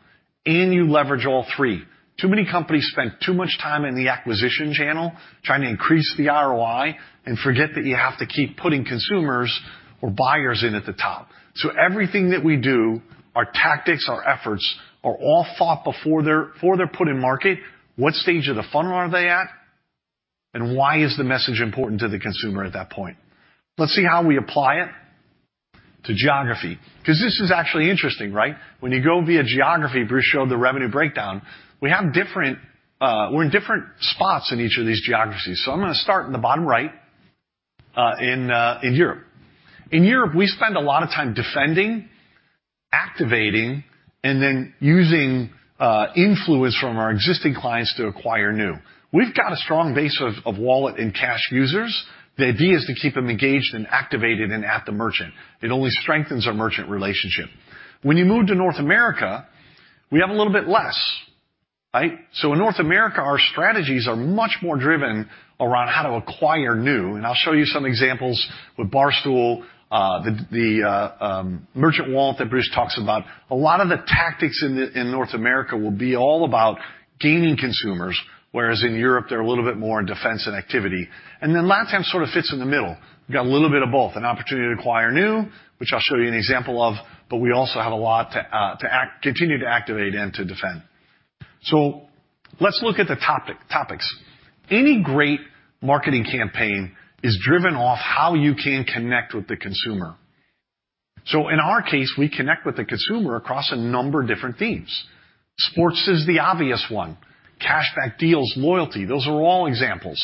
Speaker 3: and you leverage all three. Too many companies spend too much time in the acquisition channel trying to increase the ROI and forget that you have to keep putting consumers or buyers in at the top. Everything that we do, our tactics, our efforts, are all thought before they're put in market. What stage of the funnel are they at, and why is the message important to the consumer at that point? Let's see how we apply it to geography 'cause this is actually interesting, right? When you go via geography, Bruce showed the revenue breakdown. We have different, we're in different spots in each of these geographies. I'm gonna start in the bottom right in Europe. In Europe, we spend a lot of time defending, activating, and then using influence from our existing clients to acquire new. We've got a strong base of wallet and cash users. The idea is to keep them engaged and activated and at the merchant. It only strengthens our merchant relationship. When you move to North America, we have a little bit less, right? In North America, our strategies are much more driven around how to acquire new, and I'll show you some examples with Barstool, the merchant wallet that Bruce talks about. A lot of the tactics in North America will be all about gaining consumers, whereas in Europe, they're a little bit more in defense and activity. LatAm sort of fits in the middle. We've got a little bit of both, an opportunity to acquire new, which I'll show you an example of, but we also have a lot to continue to activate and to defend. Let's look at the topics. Any great marketing campaign is driven off how you can connect with the consumer. In our case, we connect with the consumer across a number of different themes. Sports is the obvious one. Cash back deals, loyalty, those are all examples.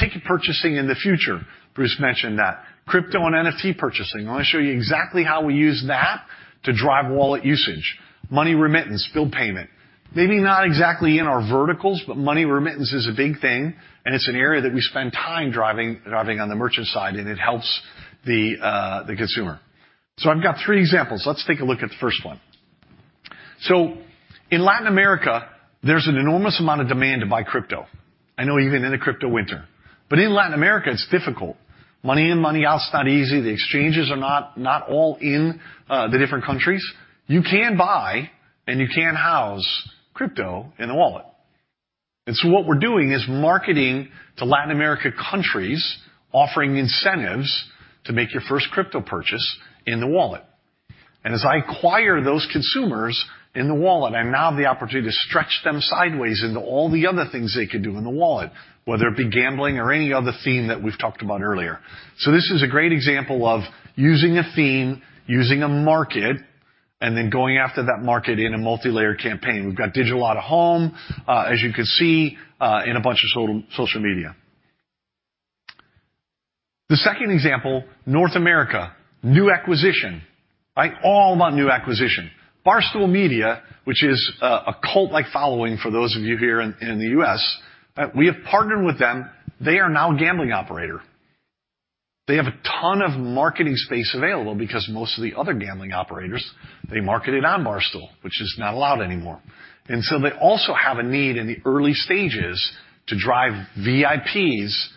Speaker 3: Ticket purchasing in the future. Bruce mentioned that. Crypto and NFT purchasing. I wanna show you exactly how we use that to drive wallet usage. Money remittance, bill payment. Maybe not exactly in our verticals, but money remittance is a big thing, and it's an area that we spend time driving on the merchant side, and it helps the consumer. I've got three examples. Let's take a look at the first one. In Latin America, there's an enormous amount of demand to buy crypto. I know even in the crypto winter. In Latin America, it's difficult. Money in, money out, it's not easy. The exchanges are not all in the different countries. You can buy and you can house crypto in the wallet. What we're doing is marketing to Latin America countries offering incentives to make your first crypto purchase in the wallet. As I acquire those consumers in the wallet, I now have the opportunity to stretch them sideways into all the other things they could do in the wallet, whether it be gambling or any other theme that we've talked about earlier. This is a great example of using a theme, using a market, then going after that market in a multilayer campaign. We've got digital out of home, as you can see, in a bunch of social media. The second example, North America, new acquisition. Right? All about new acquisition. Barstool Media, which is a cult-like following for those of you here in the U.S., we have partnered with them. They are now a gambling operator. They have a ton of marketing space available because most of the other gambling operators, they marketed on Barstool, which is not allowed anymore. They also have a need in the early stages to drive VIPs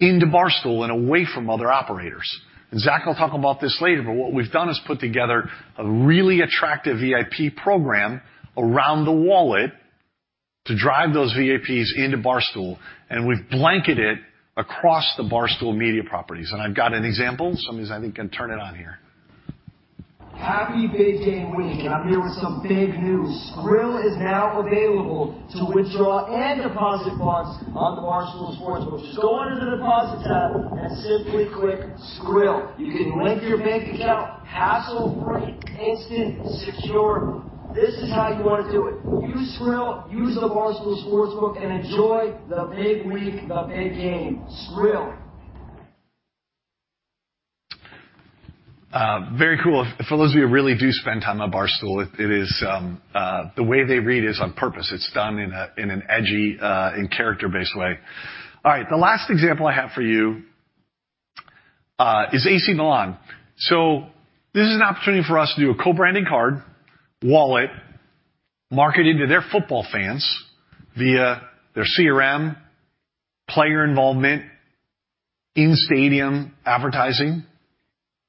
Speaker 3: into Barstool and away from other operators. Zak will talk about this later, but what we've done is put together a really attractive VIP program around the wallet to drive those VIPs into Barstool, and we've blanketed across the Barstool Media properties. I've got an example. I'm gonna see if I can turn it on here.
Speaker 5: Happy big game week. I'm here with some big news. Skrill is now available to withdraw and deposit funds on the Barstool Sportsbook. Go under the Deposit tab and simply click Skrill. You can link your bank account hassle-free, instant, secure. This is how you wanna do it. Use Skrill, use the Barstool Sportsbook. Enjoy the big week, the big game. Skrill.
Speaker 3: Very cool. For those of you who really do spend time on Barstool, it is. The way they read is on purpose. It's done in an edgy and character-based way. All right, the last example I have for you is AC Milan. This is an opportunity for us to do a co-branding card, wallet. Marketed to their football fans via their CRM, player involvement in stadium advertising,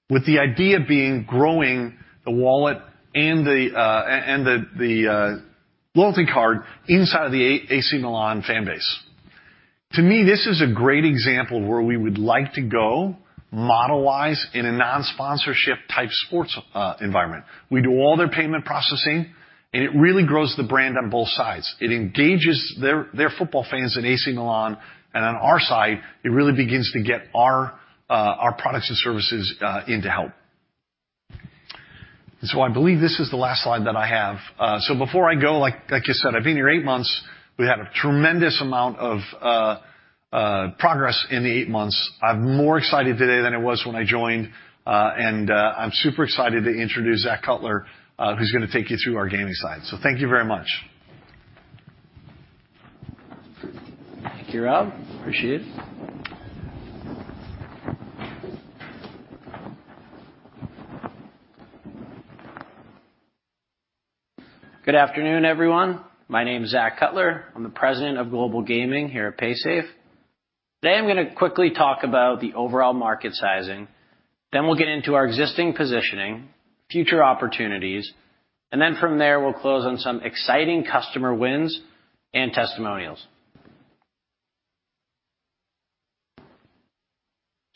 Speaker 3: with the idea being growing the wallet and the loyalty card inside of the AC Milan fan base. To me, this is a great example of where we would like to go model-wise in a non-sponsorship type sports environment. We do all their payment processing, and it really grows the brand on both sides. It engages their football fans in AC Milan. On our side, it really begins to get our products and services into help. I believe this is the last slide that I have. Before I go, like you said, I've been here eight months. We've had a tremendous amount of progress in the eight months. I'm more excited today than I was when I joined, and I'm super excited to introduce Zak Cutler, who's gonna take you through our gaming side. Thank you very much.
Speaker 6: Thank you, Rob. Appreciate it. Good afternoon, everyone. My name is Zak Cutler. I'm the President of Global Gaming here at Paysafe. Today, I'm gonna quickly talk about the overall market sizing, then we'll get into our existing positioning, future opportunities, and then from there, we'll close on some exciting customer wins and testimonials.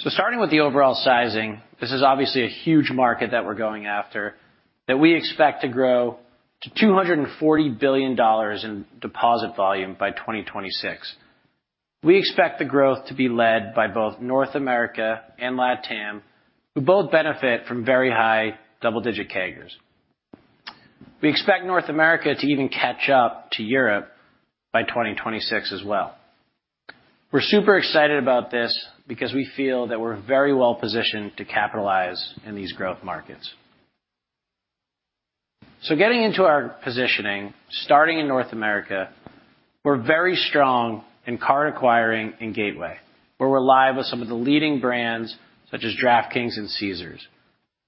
Speaker 6: Starting with the overall sizing, this is obviously a huge market that we're going after that we expect to grow to $240 billion in deposit volume by 2026. We expect the growth to be led by both North America and LatAm, who both benefit from very high double-digit CAGRs. We expect North America to even catch up to Europe by 2026 as well. We're super excited about this because we feel that we're very well-positioned to capitalize in these growth markets. Getting into our positioning, starting in North America, we're very strong in card acquiring and gateway, where we're live with some of the leading brands such as DraftKings and Caesars.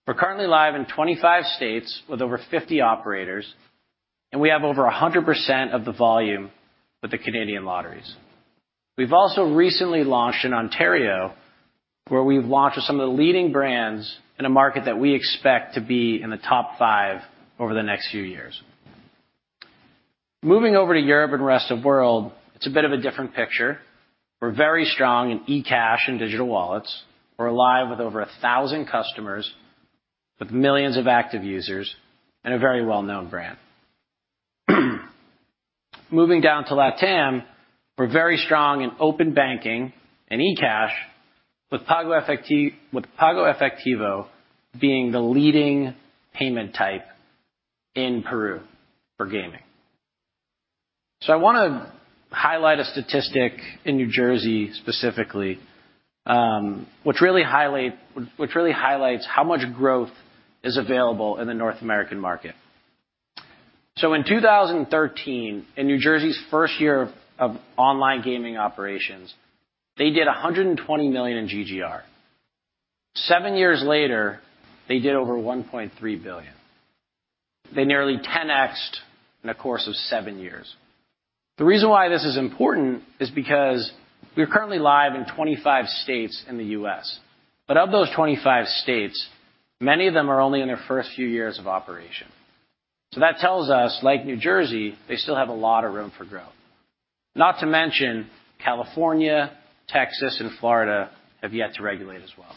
Speaker 6: We're currently live in 25 states with over 50 operators. We have over a 100% of the volume with the Canadian lotteries. We've also recently launched in Ontario, where we've launched some of the leading brands in a market that we expect to be in the top 5 over the next few years. Moving over to Europe and rest of world, it's a bit of a different picture. We're very strong in eCash and digital wallets. We're live with over 1,000 customers with millions of active users and a very well-known brand. Moving down to LatAm, we're very strong in open banking and eCash with PagoEfectivo being the leading payment type in Peru for gaming. I wanna highlight a statistic in New Jersey specifically, which really highlights how much growth is available in the North American market. In 2013, in New Jersey's first year of online gaming operations, they did $120 million in GGR. 7 years later, they did over $1.3 billion. They nearly 10x'd in the course of 7 years. The reason why this is important is because we are currently live in 25 states in the U.S. Of those 25 states, many of them are only in their first few years of operation. That tells us, like New Jersey, they still have a lot of room for growth. California, Texas, and Florida have yet to regulate as well.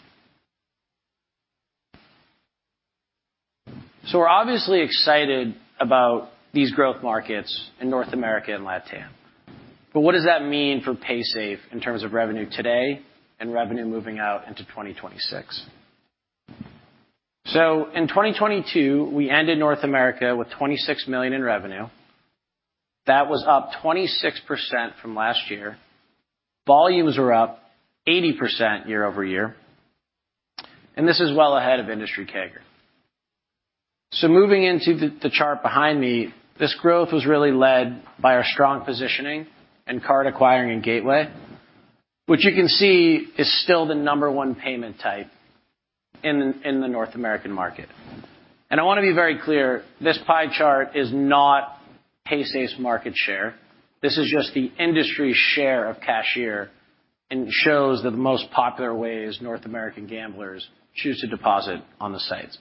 Speaker 6: We're obviously excited about these growth markets in North America and LatAm. What does that mean for Paysafe in terms of revenue today and revenue moving out into 2026? In 2022, we ended North America with $26 million in revenue. That was up 26% from last year. Volumes were up 80% year-over-year, and this is well ahead of industry CAGR. Moving into the chart behind me, this growth was really led by our strong positioning in card acquiring and gateway, which you can see is still the number one payment type in the North American market. I wanna be very clear, this pie chart is not Paysafe's market share. This is just the industry share of cashier and shows that the most popular way is North American gamblers choose to deposit on the sites.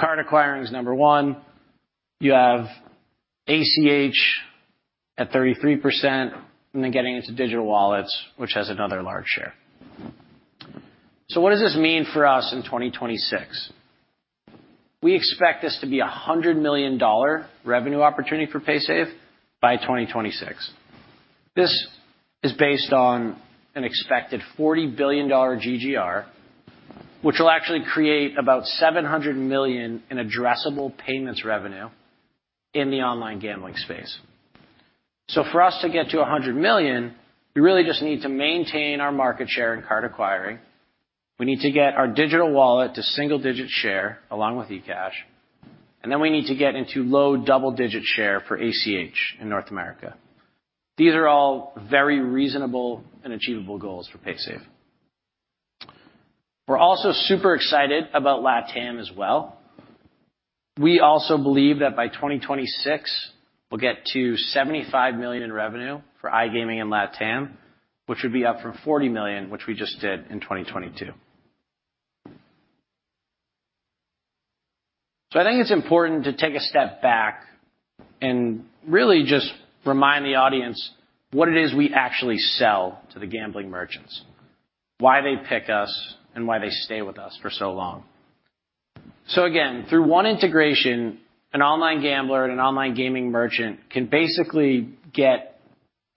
Speaker 6: Card acquiring is number one. You have ACH at 33% and then getting into digital wallets, which has another large share. What does this mean for us in 2026? We expect this to be a $100 million revenue opportunity for Paysafe by 2026. This is based on an expected $40 billion GGR, which will actually create about $700 million in addressable payments revenue in the online gambling space. For us to get to $100 million, we really just need to maintain our market share in card acquiring, we need to get our digital wallet to single-digit share along with eCash, and then we need to get into low double-digit share for ACH in North America. These are all very reasonable and achievable goals for Paysafe. We're also super excited about LatAm as well. We also believe that by 2026, we'll get to $75 million in revenue for iGaming in LatAm, which would be up from $40 million, which we just did in 2022. I think it's important to take a step back and really just remind the audience what it is we actually sell to the gambling merchants, why they pick us, and why they stay with us for so long. Again, through one integration, an online gambler and an online gaming merchant can basically get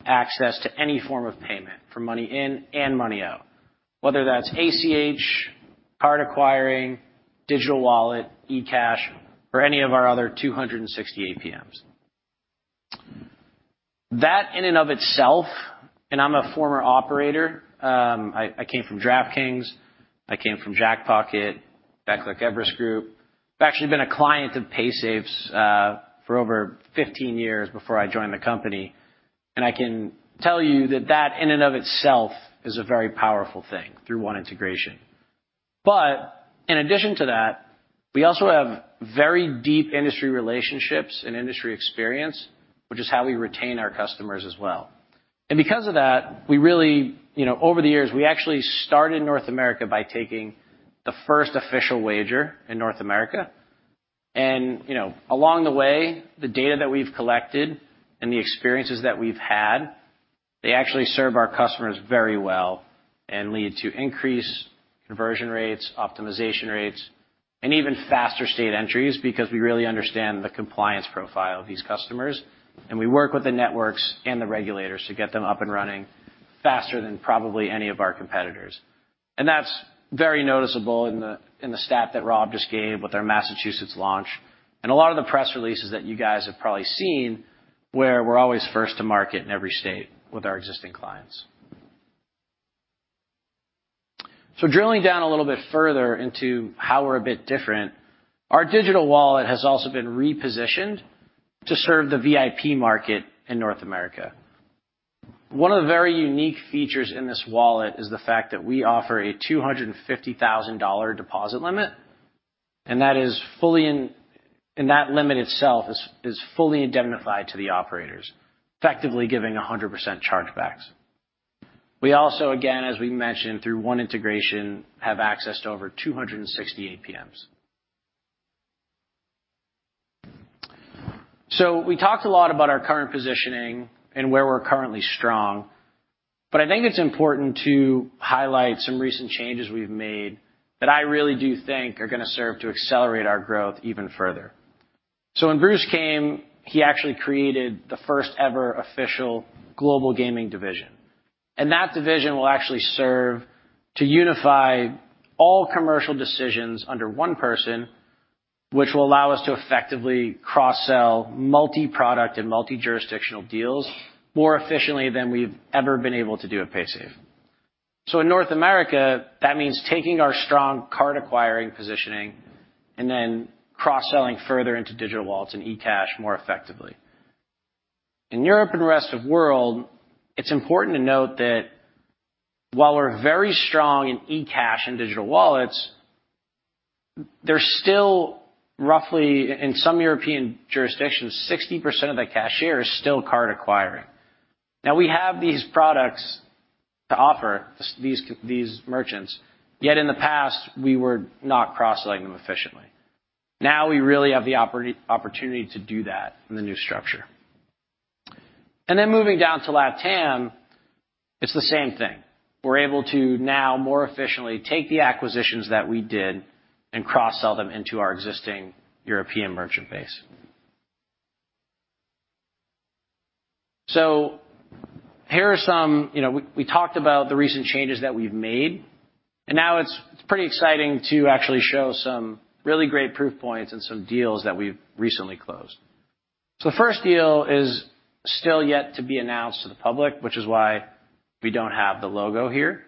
Speaker 6: access to any form of payment for money in and money out, whether that's ACH, card acquiring, digital wallet, eCash, or any of our other 260 APMs. That in and of itself, and I'm a former operator, I came from DraftKings, I came from Jackpocket, Betclic Everest Group. I've actually been a client of Paysafe's for over 15 years before I joined the company. I can tell you that that in and of itself is a very powerful thing through one integration. In addition to that, we also have very deep industry relationships and industry experience, which is how we retain our customers as well. Because of that, we really, you know, over the years, we actually started North America by taking the first official wager in North America. You know, along the way, the data that we've collected and the experiences that we've had, they actually serve our customers very well and lead to increased conversion rates, optimization rates, and even faster state entries because we really understand the compliance profile of these customers, and we work with the networks and the regulators to get them up and running faster than probably any of our competitors. That's very noticeable in the, in the stat that Rob just gave with our Massachusetts launch. A lot of the press releases that you guys have probably seen, where we're always first to market in every state with our existing clients. Drilling down a little bit further into how we're a bit different, our digital wallet has also been repositioned to serve the VIP market in North America. One of the very unique features in this wallet is the fact that we offer a $250,000 deposit limit, and that limit itself is fully indemnified to the operators, effectively giving 100% chargebacks. We also, again, as we mentioned, through one integration, have access to over 260 APMs. We talked a lot about our current positioning and where we're currently strong, but I think it's important to highlight some recent changes we've made that I really do think are gonna serve to accelerate our growth even further. When Bruce came, he actually created the first-ever official global gaming division. That division will actually serve to unify all commercial decisions under one person, which will allow us to effectively cross-sell multi-product and multi-jurisdictional deals more efficiently than we've ever been able to do at Paysafe. In North America, that means taking our strong card acquiring positioning and then cross-selling further into digital wallets and eCash more effectively. In Europe and the rest of world, it's important to note that while we're very strong in eCash and digital wallets, there's still roughly, in some European jurisdictions, 60% of the cashier is still card acquiring. We have these products to offer these merchants, yet in the past, we were not cross-selling them efficiently. We really have the opportunity to do that in the new structure. Moving down to LatAm, it's the same thing. We're able to now more efficiently take the acquisitions that we did and cross-sell them into our existing European merchant base. You know, we talked about the recent changes that we've made, and now it's pretty exciting to actually show some really great proof points and some deals that we've recently closed. The first deal is still yet to be announced to the public, which is why we don't have the logo here.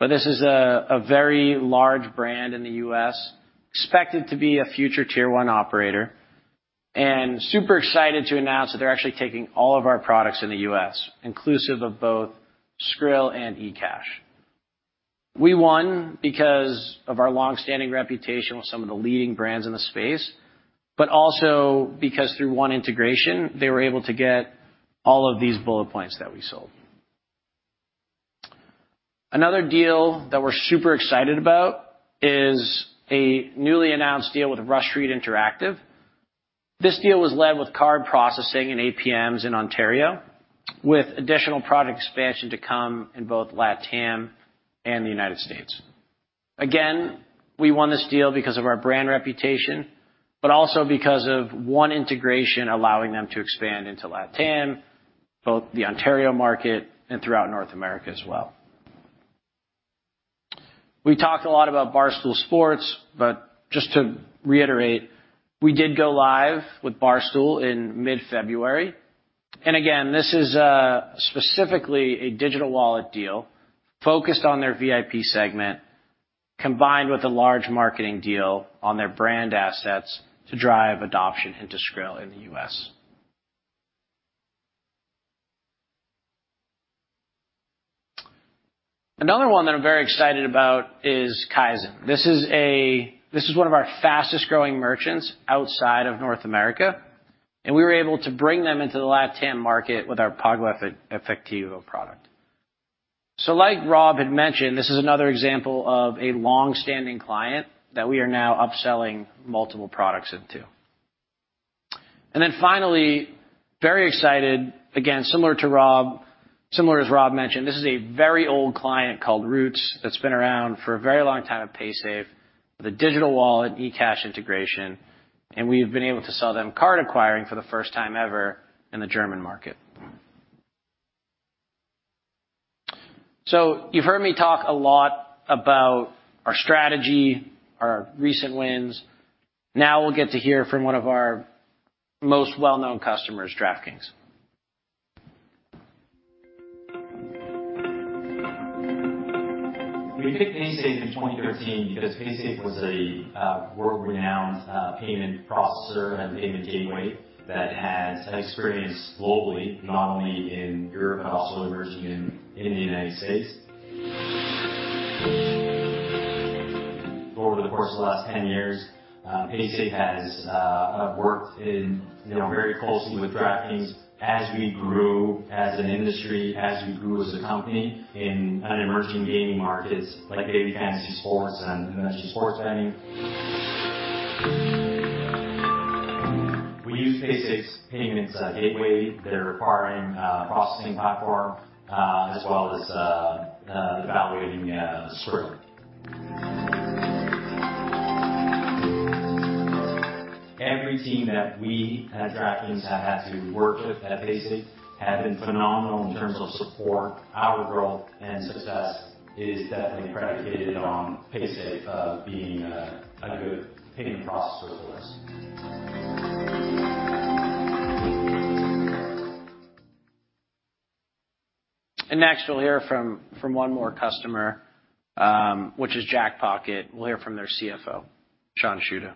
Speaker 6: This is a very large brand in the U.S., expected to be a future tier one operator, and super excited to announce that they're actually taking all of our products in the U.S., inclusive of both Skrill and eCash. We won because of our long-standing reputation with some of the leading brands in the space, but also because through one integration, they were able to get all of these bullet points that we sold. Another deal that we're super excited about is a newly announced deal with Rush Street Interactive. This deal was led with card processing and APMs in Ontario, with additional product expansion to come in both LatAm and the United States. Again, we won this deal because of our brand reputation, but also because of one integration allowing them to expand into LatAm, both the Ontario market and throughout North America as well. We talked a lot about Barstool Sports, but just to reiterate, we did go live with Barstool in mid-February. Again, this is specifically a digital wallet deal focused on their VIP segment, combined with a large marketing deal on their brand assets to drive adoption into Skrill in the U.S. Another one that I'm very excited about is Kaizen. This is one of our fastest-growing merchants outside of North America, and we were able to bring them into the LatAm market with our PagoEfectivo product. Like Rob had mentioned, this is another example of a long-standing client that we are now upselling multiple products into. Finally, very excited, again, similar as Rob mentioned, this is a very old client called Rootz that's been around for a very long time at Paysafe with a digital wallet eCash integration, and we've been able to sell them card acquiring for the first time ever in the German market. You've heard me talk a lot about our strategy, our recent wins. Now we'll get to hear from one of our most well-known customers, DraftKings.
Speaker 7: We picked Paysafe in 2013 because Paysafe was a world-renowned payment processor and a payment gateway that has experienced globally, not only in Europe, but also emerging in the United States. Over the course of the last 10 years, Paysafe has worked, you know, very closely with DraftKings as we grew as an industry, as we grew as a company in emerging gaming markets like daily fantasy sports and emerging sports betting. We use Paysafe's payments gateway, their acquiring processing platform, as well as the Valuation screen. Every team that we at DraftKings have had to work with at Paysafe have been phenomenal in terms of support. Our growth and success is definitely predicated on Paysafe being a good payment processor for us.
Speaker 6: Next, we'll hear from one more customer, which is Jackpocket. We'll hear from their CFO, Sean Siuda.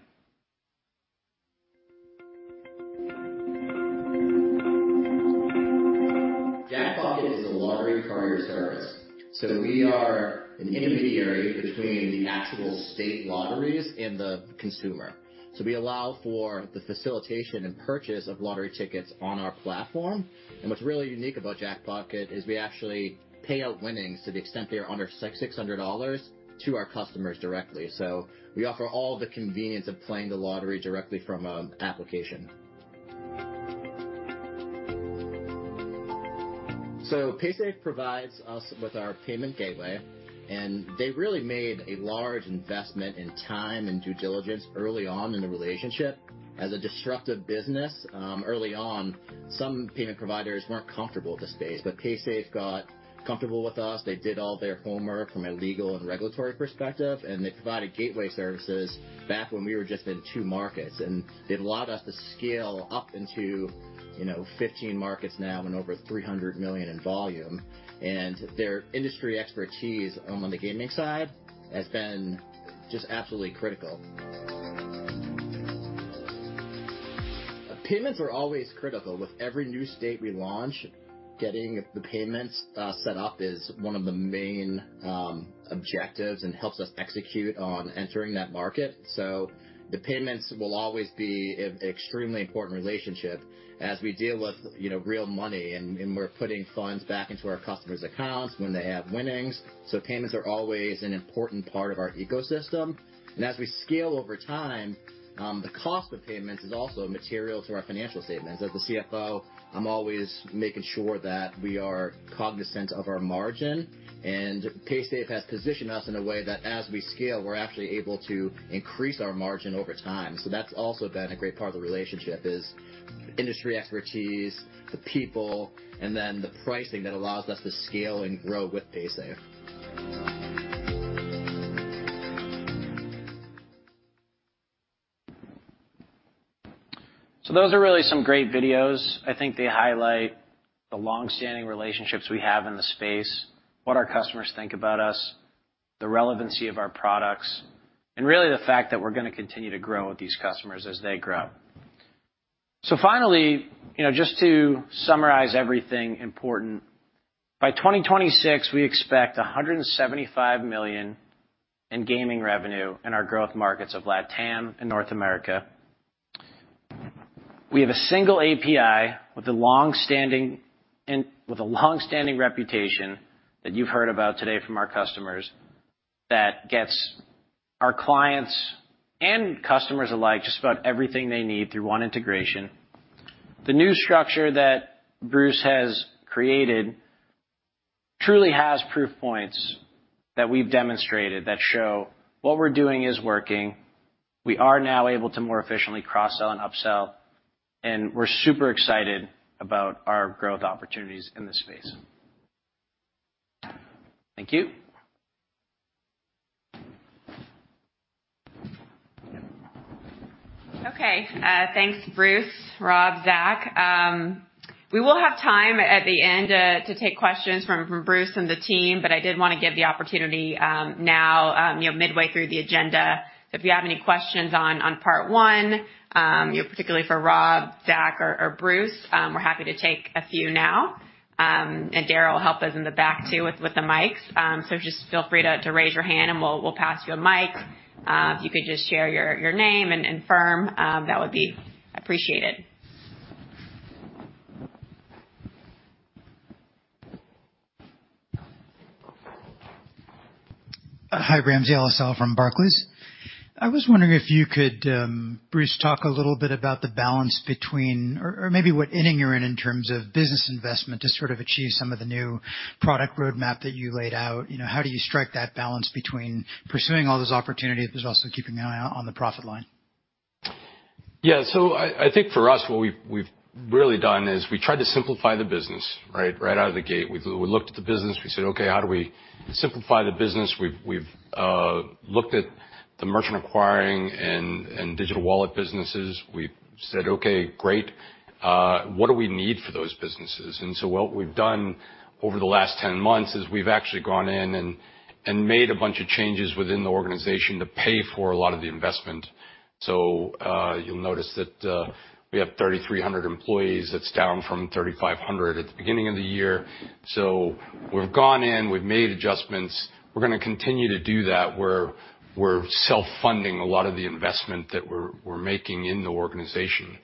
Speaker 8: Jackpocket is a lottery carrier service. We are an intermediary between the actual state lotteries and the consumer. We allow for the facilitation and purchase of lottery tickets on our platform. What's really unique about Jackpocket is we actually pay out winnings to the extent they are under $600 to our customers directly. We offer all the convenience of playing the lottery directly from an application. Paysafe provides us with our payment gateway, and they really made a large investment in time and due diligence early on in the relationship. As a disruptive business, early on, some payment providers weren't comfortable with the space, but Paysafe got comfortable with us. They did all their homework from a legal and regulatory perspective, and they provided gateway services back when we were just in two markets. They've allowed us to scale up into, you know, 15 markets now and over $300 million in volume. Their industry expertise on the gaming side has been just absolutely critical. Payments are always critical. With every new state we launch, getting the payments set up is one of the main objectives and helps us execute on entering that market. The payments will always be an extremely important relationship as we deal with, you know, real money and we're putting funds back into our customers' accounts when they have winnings. Payments are always an important part of our ecosystem. As we scale over time, the cost of payments is also material to our financial statements. As the CFO, I'm always making sure that we are cognizant of our margin. Paysafe has positioned us in a way that as we scale, we're actually able to increase our margin over time. That's also been a great part of the relationship, is industry expertise, the people, and then the pricing that allows us to scale and grow with Paysafe.
Speaker 6: Those are really some great videos. I think they highlight the long-standing relationships we have in the space, what our customers think about us, the relevancy of our products, and really the fact that we're gonna continue to grow with these customers as they grow. Finally, you know, just to summarize everything important. By 2026, we expect $175 million in gaming revenue in our growth markets of LatAm and North America. We have a single API with a long-standing reputation that you've heard about today from our customers that gets our clients and customers alike just about everything they need through one integration. The new structure that Bruce has created truly has proof points that we've demonstrated that show what we're doing is working. We are now able to more efficiently cross-sell and upsell, and we're super excited about our growth opportunities in this space. Thank you.
Speaker 1: Okay, thanks Bruce, Rob, Zak. We will have time at the end to take questions from Bruce and the team, but I did wanna give the opportunity now, you know, midway through the agenda. If you have any questions on part one, you know, particularly for Rob, Zak or Bruce, we're happy to take a few now. Dara will help us in the back too with the mics. Just feel free to raise your hand and we'll pass you a mic. If you could just share your name and firm, that would be appreciated.
Speaker 9: Hi, Ramsey El-Assal from Barclays. I was wondering if you could, Bruce, talk a little bit about the balance between or maybe what inning you're in in terms of business investment to sort of achieve some of the new product roadmap that you laid out. You know, how do you strike that balance between pursuing all this opportunity but just also keeping an eye out on the profit line?
Speaker 2: Yeah. I think for us, what we've really done is we tried to simplify the business, right? Right out of the gate. We, we looked at the business. We said, "Okay, how do we simplify the business?" We've, we've looked at the merchant acquiring and digital wallet businesses. We've said, "Okay, great, what do we need for those businesses?" What we've done over the last 10 months is we've actually gone in and made a bunch of changes within the organization to pay for a lot of the investment. You'll notice that we have 3,300 employees. That's down from 3,500 at the beginning of the year. We've gone in, we've made adjustments. We're gonna continue to do that, where we're self-funding a lot of the investment that we're making in the organization.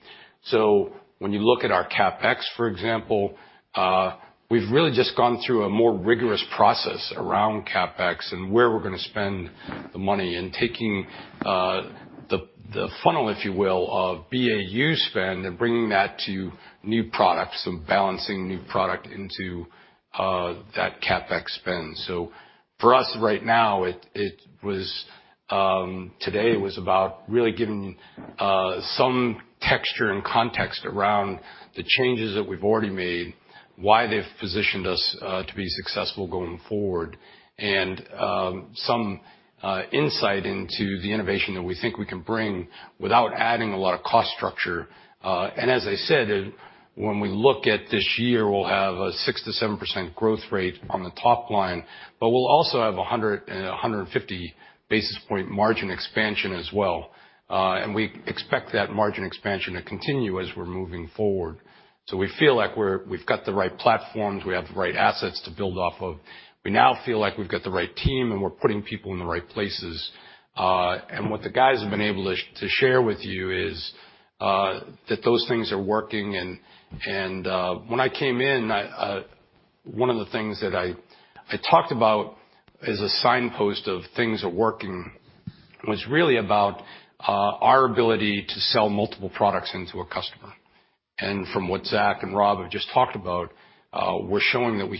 Speaker 2: When you look at our CapEx, for example, we've really just gone through a more rigorous process around CapEx and where we're gonna spend the money in taking the funnel, if you will, of BAU spend and bringing that to new products and balancing new product into that CapEx spend. For us right now, it was, today was about really giving some texture and context around the changes that we've already made, why they've positioned us to be successful going forward, and some insight into the innovation that we think we can bring without adding a lot of cost structure. As I said, when we look at this year, we'll have a 6%-7% growth rate on the top line, but we'll also have a 150 basis point margin expansion as well. We expect that margin expansion to continue as we're moving forward. We feel like we've got the right platforms, we have the right assets to build off of. We now feel like we've got the right team, and we're putting people in the right places. What the guys have been able to share with you is that those things are working. When I came in, one of the things that I talked about as a signpost of things are working was really about our ability to sell multiple products into a customer. From what Zak and Rob have just talked about, we're showing that we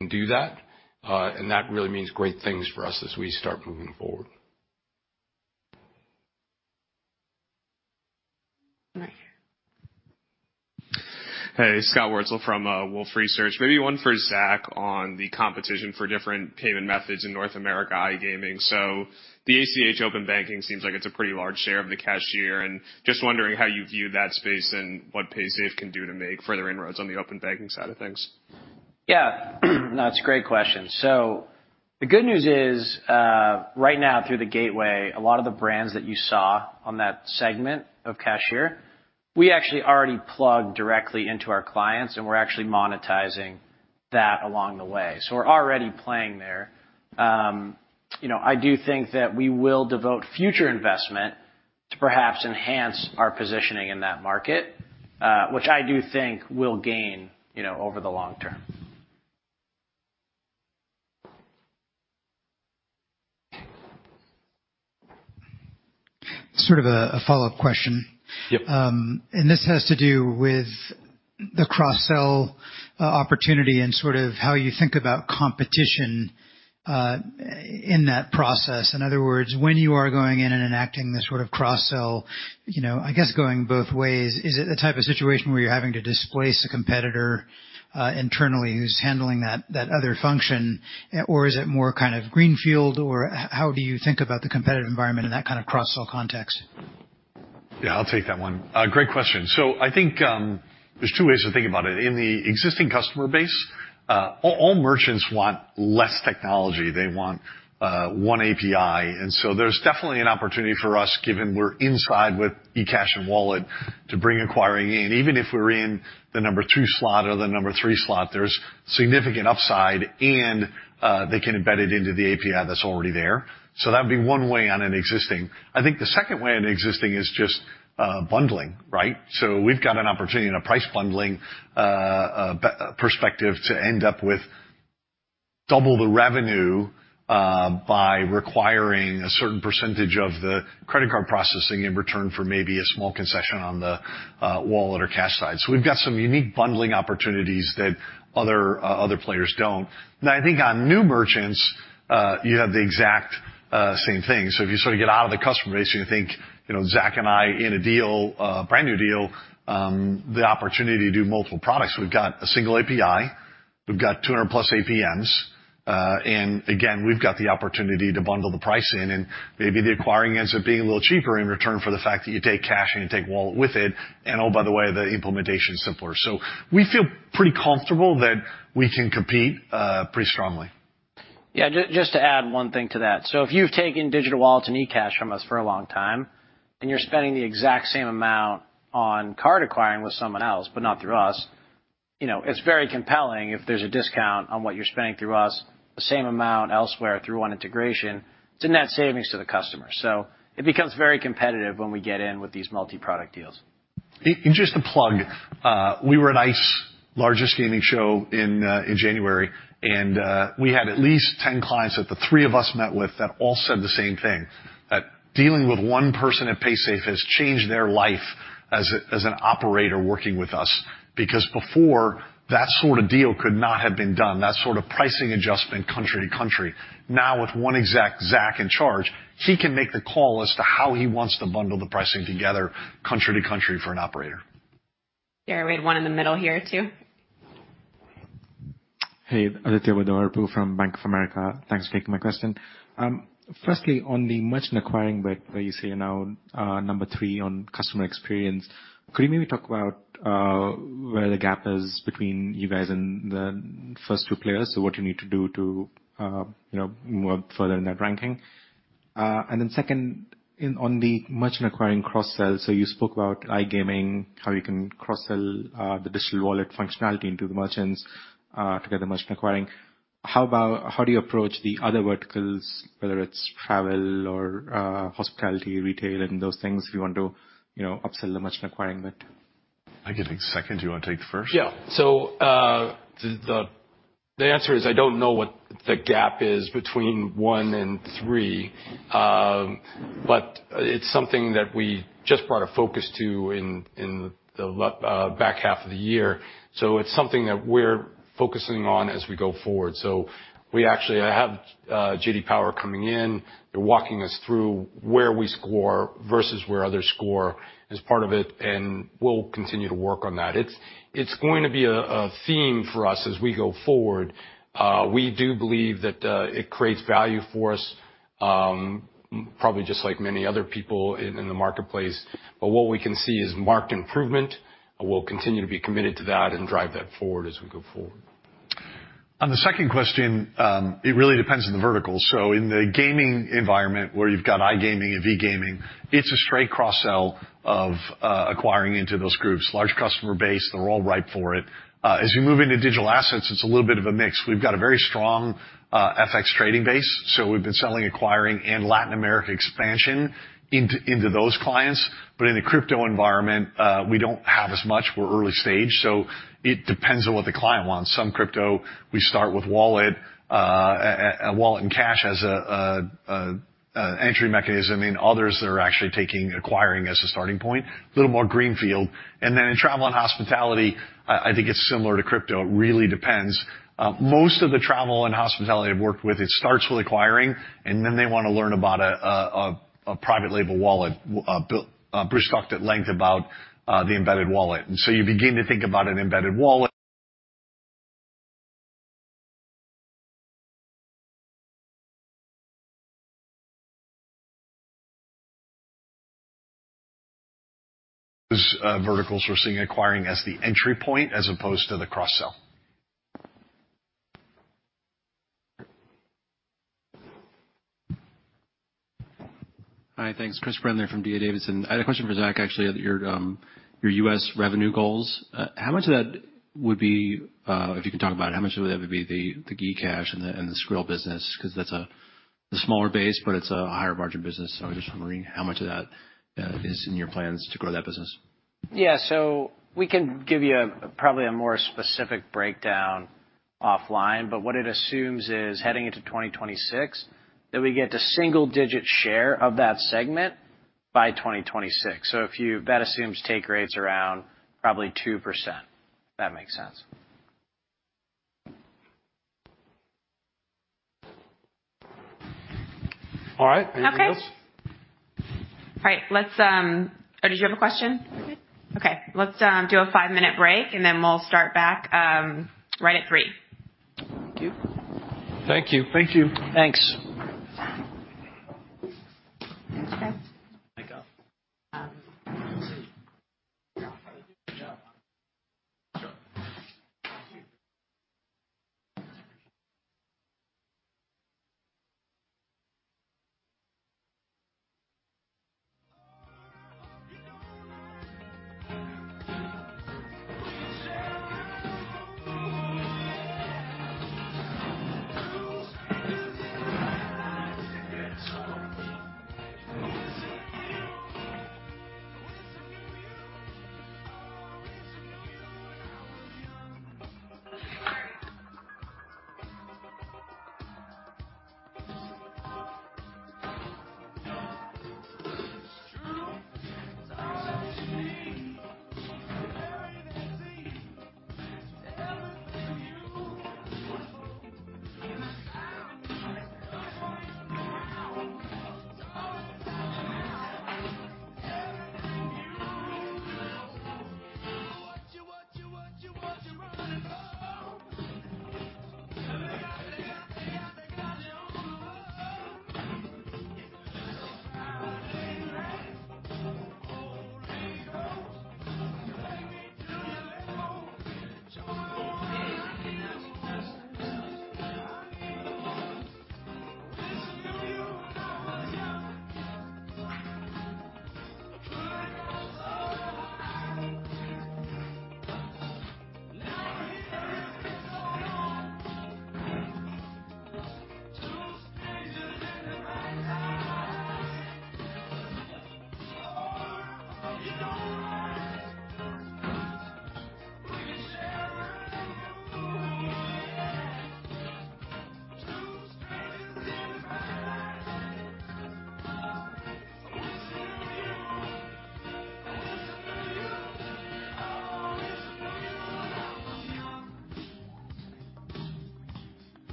Speaker 2: can do that, and that really means great things for us as we start moving forward.
Speaker 1: Right here.
Speaker 10: Hey, Scott Wurtzel from Wolfe Research. Maybe one for Zak on the competition for different payment methods in North America iGaming. The ACH open banking seems like it's a pretty large share of the cashier, and just wondering how you view that space and what Paysafe can do to make further inroads on the open banking side of things.
Speaker 6: Yeah. That's a great question. The good news is, right now, through the gateway, a lot of the brands that you saw on that segment of cashier, we actually already plug directly into our clients, and we're actually monetizing that along the way. We're already playing there. You know, I do think that we will devote future investment to perhaps enhance our positioning in that market, which I do think will gain, you know, over the long term.
Speaker 9: Sort of a follow-up question.
Speaker 2: Yep.
Speaker 9: This has to do with the cross-sell opportunity and sort of how you think about competition in that process. In other words, when you are going in and enacting this sort of cross-sell, you know, I guess going both ways, is it the type of situation where you're having to displace a competitor internally who's handling that other function? Or is it more kind of greenfield, or how do you think about the competitive environment in that kind of cross-sell context?
Speaker 2: Yeah, I'll take that one. Great question. I think there's two ways to think about it. In the existing customer base, all merchants want less technology. They want one API. There's definitely an opportunity for us, given we're inside with eCash and Wallet to bring acquiring in. Even if we're in the number two slot or the number three slot, there's significant upside, and they can embed it into the API that's already there. That'd be one way on an existing. I think the second way on existing is just bundling, right? We've got an opportunity and a price bundling perspective to end up with double the revenue by requiring a certain percentage of the credit card processing in return for maybe a small concession on the wallet or cash side. We've got some unique bundling opportunities that other players don't. Now, I think on new merchants, you have the exact same thing. If you sort of get out of the customer base and you think, you know, Zak and I in a deal, brand new deal, the opportunity to do multiple products. We've got a single API, we've got 200 plus APMs.
Speaker 3: Again, we've got the opportunity to bundle the pricing in, and maybe the acquiring ends up being a little cheaper in return for the fact that you take cash and you take wallet with it. Oh, by the way, the implementation is simpler. We feel pretty comfortable that we can compete, pretty strongly.
Speaker 6: Yeah. Just to add one thing to that. If you've taken digital wallet and eCash from us for a long time, and you're spending the exact same amount on card acquiring with someone else, but not through us, you know, it's very compelling if there's a discount on what you're spending through us, the same amount elsewhere through one integration, it's a net savings to the customer. It becomes very competitive when we get in with these multiproduct deals.
Speaker 3: Just to plug, we were at ICE, largest gaming show in January, we had at least 10 clients that the three of us met with that all said the same thing, that dealing with one person at Paysafe has changed their life as an operator working with us. Before, that sort of deal could not have been done, that sort of pricing adjustment country to country. With one exec, Zak, in charge, he can make the call as to how he wants to bundle the pricing together country to country for an operator.
Speaker 1: Yeah, we had one in the middle here too.
Speaker 11: Hey. Aditya Bhatia from Bank of America. Thanks for taking my question. Firstly, on the merchant acquiring bit where you say you're now number 3 on customer experience, could you maybe talk about where the gap is between you guys and the first 2 players? What you need to do to, you know, move up further in that ranking? 2nd, on the merchant acquiring cross sell, you spoke about iGaming, how you can cross-sell the digital wallet functionality into the merchants to get the merchant acquiring. How do you approach the other verticals, whether it's travel or hospitality, retail and those things, if you want to, you know, up-sell the merchant acquiring bit?
Speaker 3: I can take second. Do you wanna take the first?
Speaker 6: Yeah. The answer is, I don't know what the gap is between one and three. It's something that we just brought a focus to in the back half of the year. It's something that we're focusing on as we go forward. We actually have J.D. Power coming in. They're walking us through where we score versus where others score as part of it, and we'll continue to work on that. It's going to be a theme for us as we go forward. We do believe that it creates value for us, probably just like many other people in the marketplace. What we can see is marked improvement, and we'll continue to be committed to that and drive that forward as we go forward.
Speaker 3: On the second question, it really depends on the vertical. In the gaming environment where you've got iGaming and vGaming, it's a straight cross-sell of acquiring into those groups. Large customer base, they're all ripe for it. As we move into digital assets, it's a little bit of a mix. We've got a very strong FX trading base, we've been selling acquiring and Latin America expansion into those clients. In the crypto environment, we don't have as much. We're early stage, it depends on what the client wants. Some crypto, we start with wallet, a wallet and cash as a entry mechanism, and others that are actually taking acquiring as a starting point, a little more greenfield. In travel and hospitality, I think it's similar to crypto. It really depends. Most of the travel and hospitality I've worked with, it starts with acquiring, and then they wanna learn about a private label wallet. Bruce talked at length about the embedded wallet. You begin to think about an embedded wallet. Those verticals we're seeing acquiring as the entry point as opposed to the cross-sell.
Speaker 12: Hi. Thanks. Chris Brendler from D.A. Davidson. I had a question for Zak, actually, your U.S. revenue goals. How much of that would be, if you can talk about it, how much of that would be the eCash and the Skrill business? 'Cause that's the smaller base, but it's a higher margin business. I'm just wondering how much of that is in your plans to grow that business.
Speaker 6: We can give you a, probably a more specific breakdown offline, but what it assumes is heading into 2026, that we get to single-digit share of that segment by 2026. That assumes take rates around probably 2%, if that makes sense.
Speaker 3: All right. Anything else?
Speaker 1: Okay. All right. Did you have a question?
Speaker 5: Mm-mm.
Speaker 1: Okay. Let's do a five-minute break, and then we'll start back right at three.
Speaker 6: Thank you.
Speaker 3: Thank you.
Speaker 6: Thank you.
Speaker 3: Thanks.
Speaker 5: Thanks,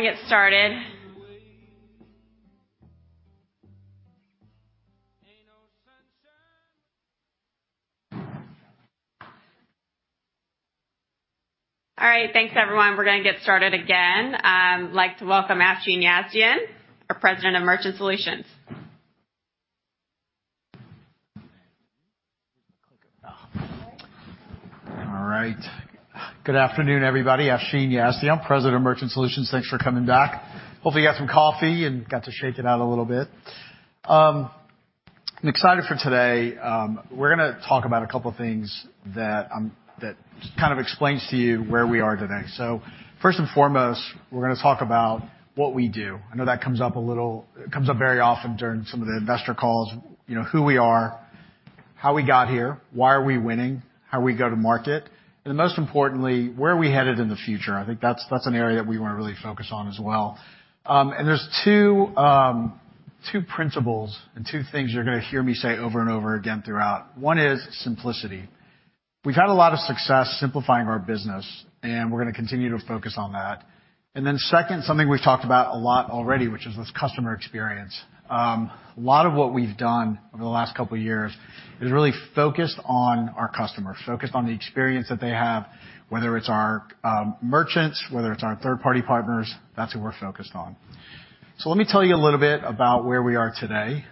Speaker 1: Okay, we're gonna get started. All right. Thanks, everyone. We're gonna get started again. I'd like to welcome Afshin Yazdian, our President of Merchant Solutions.
Speaker 13: All right. Good afternoon, everybody. Afshin Yazdian, President, Merchant Solutions. Thanks for coming back. Hopefully, you got some coffee and got to shake it out a little bit. I'm excited for today. We're gonna talk about a couple of things that kind of explains to you where we are today. First and foremost, we're gonna talk about what we do. I know that comes up very often during some of the investor calls. You know, who we are? How we got here? Why are we winning? How we go to market? Most importantly, where are we headed in the future? I think that's an area that we wanna really focus on as well. There's two principles and two things you're gonna hear me say over and over again throughout. One is simplicity. We've had a lot of success simplifying our business, and we're gonna continue to focus on that. Second, something we've talked about a lot already, which is this customer experience. A lot of what we've done over the last couple of years is really focused on our customers, focused on the experience that they have, whether it's our merchants, whether it's our third-party partners, that's what we're focused on. Let me tell you a little bit about where we are today.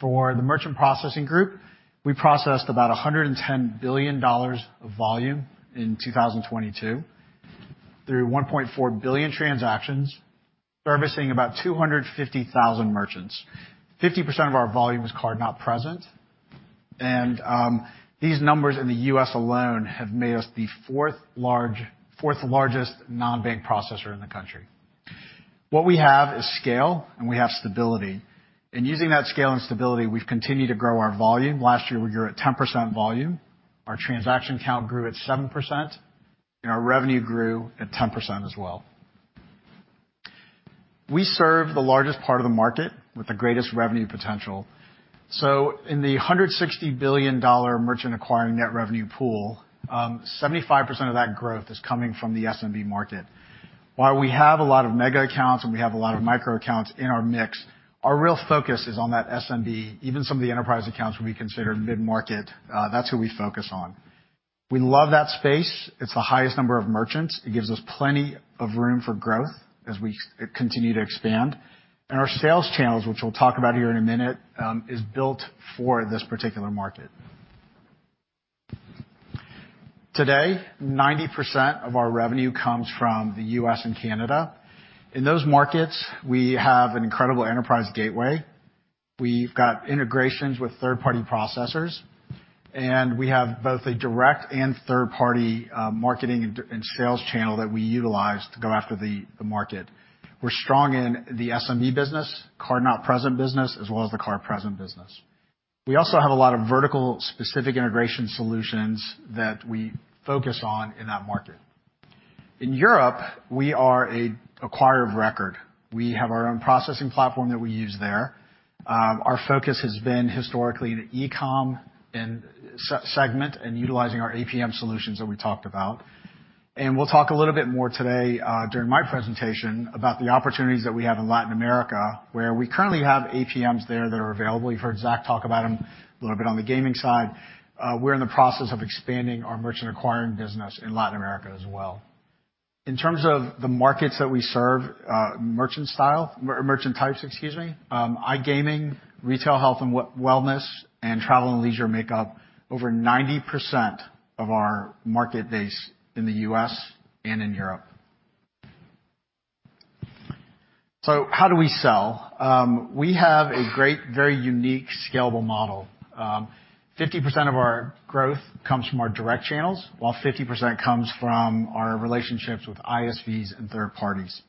Speaker 13: For the merchant processing group, we processed about $110 billion of volume in 2022 through 1.4 billion transactions, servicing about 250,000 merchants. 50% of our volume is Card-Not-Present. These numbers in the U.S. alone have made us the fourth largest non-bank processor in the country. What we have is scale, and we have stability. Using that scale and stability, we've continued to grow our volume. Last year, we grew at 10% volume. Our transaction count grew at 7%, and our revenue grew at 10% as well. We serve the largest part of the market with the greatest revenue potential. In the $160 billion merchant acquiring net revenue pool, 75% of that growth is coming from the SMB market. While we have a lot of mega accounts and we have a lot of micro accounts in our mix, our real focus is on that SMB, even some of the enterprise accounts will be considered mid-market, that's who we focus on. We love that space. It's the highest number of merchants. It gives us plenty of room for growth as we continue to expand. Our sales channels, which we'll talk about here in a minute, is built for this particular market. Today, 90% of our revenue comes from the U.S. and Canada. In those markets, we have an incredible enterprise gateway. We've got integrations with third-party processors. We have both a direct and third-party marketing and sales channel that we utilize to go after the market. We're strong in the SMB business, Card-Not-Present business, as well as the card-present business. We also have a lot of vertical specific integration solutions that we focus on in that market. In Europe, we are an acquirer of record. We have our own processing platform that we use there. Our focus has been historically in the e-com and segment and utilizing our APM solutions that we talked about. We'll talk a little bit more today during my presentation about the opportunities that we have in Latin America, where we currently have APMs there that are available. You've heard Zak talk about them a little bit on the gaming side. We're in the process of expanding our Merchant Acquiring business in Latin America as well. In terms of the markets that we serve, merchant style, or merchant types, excuse me, iGaming, retail, health and wellness, and travel and leisure make up over 90% of our market base in the U.S. and in Europe. How do we sell? We have a great, very unique scalable model. 50% of our growth comes from our direct channels, while 50% comes from our relationships with ISVs and third parties.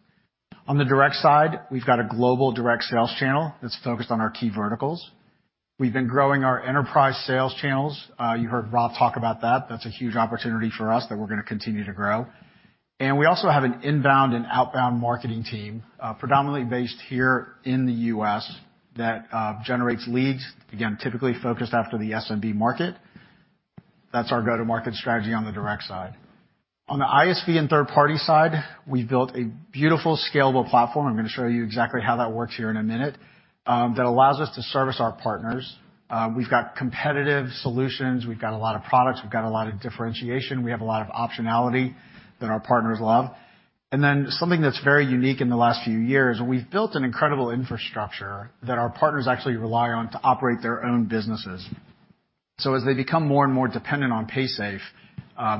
Speaker 13: On the direct side, we've got a global direct sales channel that's focused on our key verticals. We've been growing our enterprise sales channels. You heard Rob talk about that. That's a huge opportunity for us that we're gonna continue to grow. We also have an inbound and outbound marketing team, predominantly based here in the U.S. that generates leads, again, typically focused after the SMB market. That's our go-to-market strategy on the direct side. On the ISV and third-party side, we built a beautiful scalable platform, I'm gonna show you exactly how that works here in a minute, that allows us to service our partners. We've got competitive solutions, we've got a lot of products, we've got a lot of differentiation, we have a lot of optionality that our partners love. Something that's very unique in the last few years, we've built an incredible infrastructure that our partners actually rely on to operate their own businesses. As they become more and more dependent on Paysafe,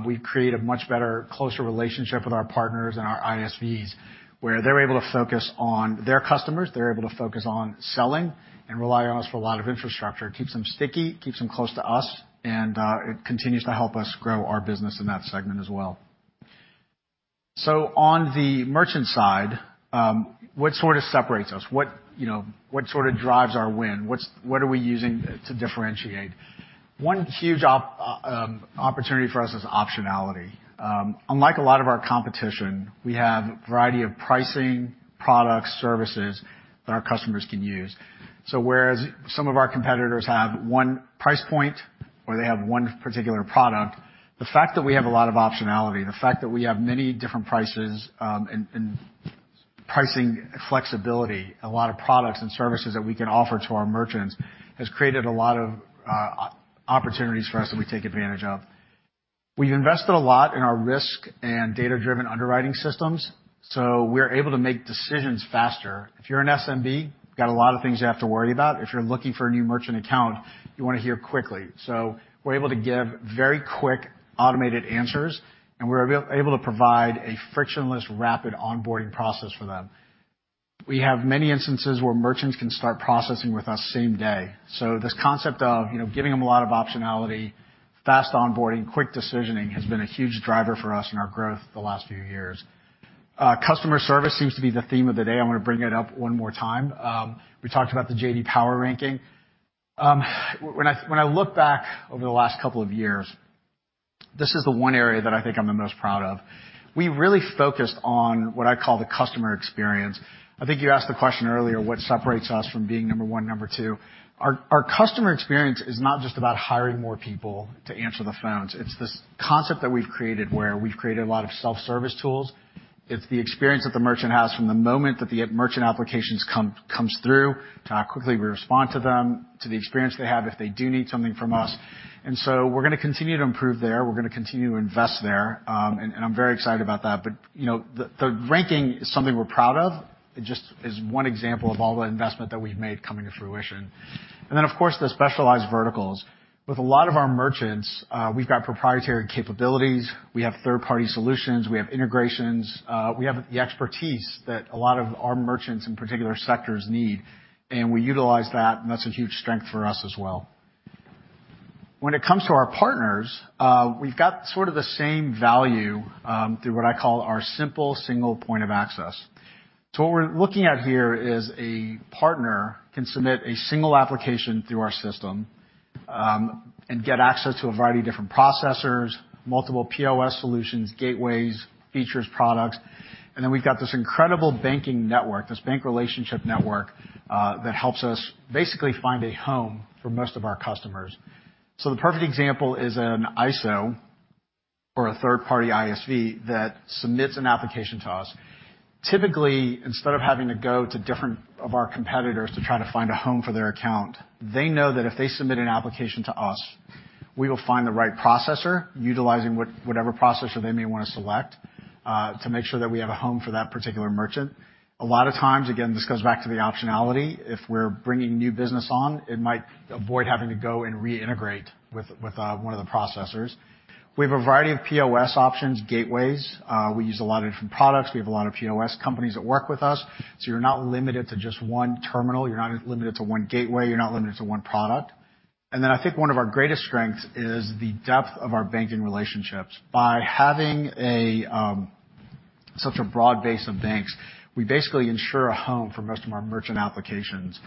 Speaker 13: we create a much better, closer relationship with our partners and our ISVs, where they're able to focus on their customers, they're able to focus on selling and rely on us for a lot of infrastructure. It keeps them sticky, keeps them close to us, and it continues to help us grow our business in that segment as well. On the merchant side, what sort of separates us? What, you know, what sort of drives our win? What are we using to differentiate? One huge opportunity for us is optionality. Unlike a lot of our competition, we have a variety of pricing, products, services that our customers can use. Whereas some of our competitors have one price point or they have one particular product, the fact that we have a lot of optionality, the fact that we have many different prices, and pricing flexibility, a lot of products and services that we can offer to our merchants, has created a lot of opportunities for us that we take advantage of. We've invested a lot in our risk and data-driven underwriting systems, so we're able to make decisions faster. If you're an SMB, you got a lot of things you have to worry about. If you're looking for a new merchant account, you wanna hear quickly. We're able to give very quick automated answers, and we're able to provide a frictionless rapid onboarding process for them. We have many instances where merchants can start processing with us same day. This concept of, you know, giving them a lot of optionality, fast onboarding, quick decisioning has been a huge driver for us in our growth the last few years. Customer service seems to be the theme of the day. I wanna bring it up one more time. We talked about the J.D. Power ranking. When I look back over the last couple of years, this is the one area that I think I'm the most proud of. We really focused on what I call the customer experience. I think you asked the question earlier, what separates us from being number one or number two. Our customer experience is not just about hiring more people to answer the phones. It's this concept that we've created where we've created a lot of self-service tools. It's the experience that the merchant has from the moment that the merchant applications come, comes through to how quickly we respond to them, to the experience they have if they do need something from us. We're gonna continue to improve there. We're gonna continue to invest there, and I'm very excited about that. You know, the ranking is something we're proud of. It just is one example of all the investment that we've made coming to fruition. Of course, the specialized verticals. With a lot of our merchants, we've got proprietary capabilities, we have third-party solutions, we have integrations, we have the expertise that a lot of our merchants in particular sectors need, and we utilize that, and that's a huge strength for us as well. When it comes to our partners, we've got sort of the same value through what I call our simple single point of access. What we're looking at here is a partner can submit a single application through our system, and get access to a variety of different processors, multiple POS solutions, gateways, features, products. We've got this incredible banking network, this bank relationship network, that helps us basically find a home for most of our customers. The perfect example is an ISO or a third-party ISV that submits an application to us. Typically, instead of having to go to different of our competitors to try to find a home for their account, they know that if they submit an application to us, we will find the right processor, utilizing whatever processor they may wanna select, to make sure that we have a home for that particular merchant. A lot of times, again, this goes back to the optionality. If we're bringing new business on, it might avoid having to go and reintegrate with one of the processors. We have a variety of POS options, gateways. We use a lot of different products. We have a lot of POS companies that work with us, so you're not limited to just one terminal, you're not limited to one gateway, you're not limited to one product. I think one of our greatest strengths is the depth of our banking relationships. By having such a broad base of banks, we basically ensure a home for most of our merchant applications.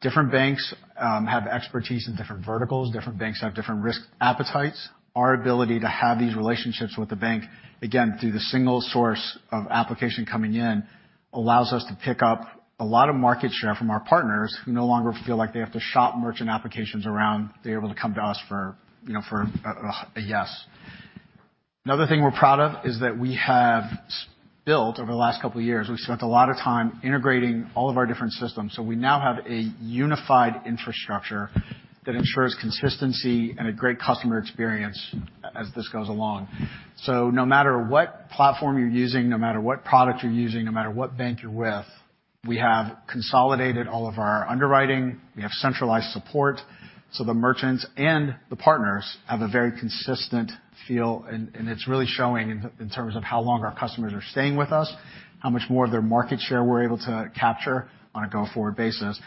Speaker 13: Different banks have expertise in different verticals. Different banks have different risk appetites. Our ability to have these relationships with the bank, again, through the single source of application coming in, allows us to pick up a lot of market share from our partners who no longer feel like they have to shop merchant applications around. They're able to come to us for, you know, for a yes. Another thing we're proud of is that we have built over the last two years, we've spent a lot of time integrating all of our different systems. We now have a unified infrastructure that ensures consistency and a great customer experience as this goes along. No matter what platform you're using, no matter what product you're using, no matter what bank you're with, we have consolidated all of our underwriting. We have centralized support. The merchants and the partners have a very consistent feel, and it's really showing in terms of how long our customers are staying with us, how much more of their market share we're able to capture on a go-forward basis.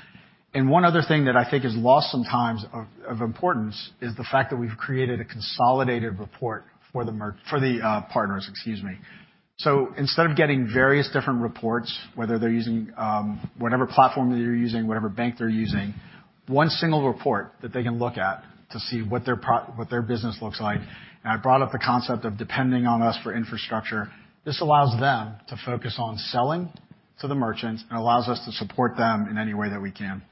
Speaker 13: And one other thing that I think is lost sometimes of importance is the fact that we've created a consolidated report for the partners, excuse me. Instead of getting various different reports, whether they're using, whatever platform they're using, whatever bank they're using, one single report that they can look at to see what their business looks like. I brought up the concept of depending on us for infrastructure. This allows them to focus on selling to the merchants and allows us to support them in any way that we can.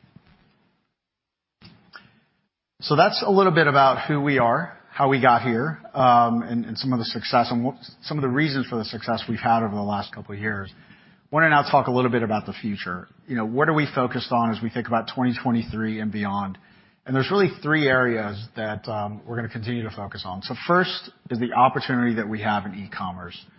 Speaker 13: That's a little bit about who we are, how we got here, and some of the success and some of the reasons for the success we've had over the last couple of years. Wanna now talk a little bit about the future. You know, what are we focused on as we think about 2023 and beyond? There's really three areas that we're gonna continue to focus on. First is the opportunity that we have in e-commerce. You've heard, you know,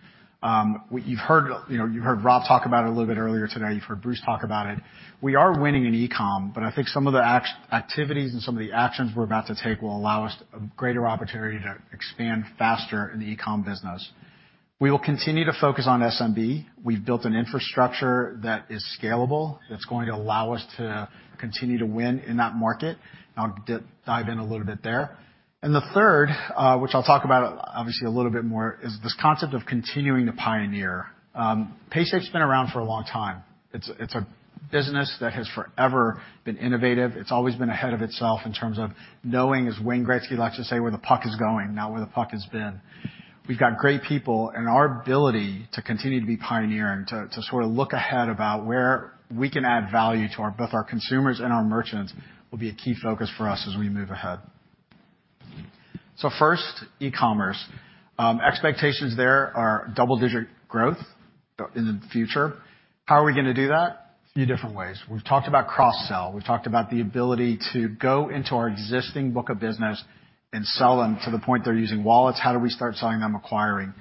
Speaker 13: you've heard Rob talk about it a little bit earlier today. You've heard Bruce talk about it. We are winning in e-com, but I think some of the activities and some of the actions we're about to take will allow us a greater opportunity to expand faster in the e-com business. We will continue to focus on SMB. We've built an infrastructure that is scalable, that's going to allow us to continue to win in that market. I'll dive in a little bit there. The third, which I'll talk about obviously a little bit more, is this concept of continuing to pioneer. Paysafe's been around for a long time. It's a business that has forever been innovative. It's always been ahead of itself in terms of knowing, as Wayne Gretzky likes to say, where the puck is going, not where the puck has been. We've got great people, and our ability to continue to be pioneering, to sort of look ahead about where we can add value to our both our consumers and our merchants, will be a key focus for us as we move ahead. First, e-commerce. Expectations there are double-digit growth in the future. How are we gonna do that? A few different ways. We've talked about cross-sell. We've talked about the ability to go into our existing book of business and sell them to the point they're using wallets. How do we start selling them acquiring?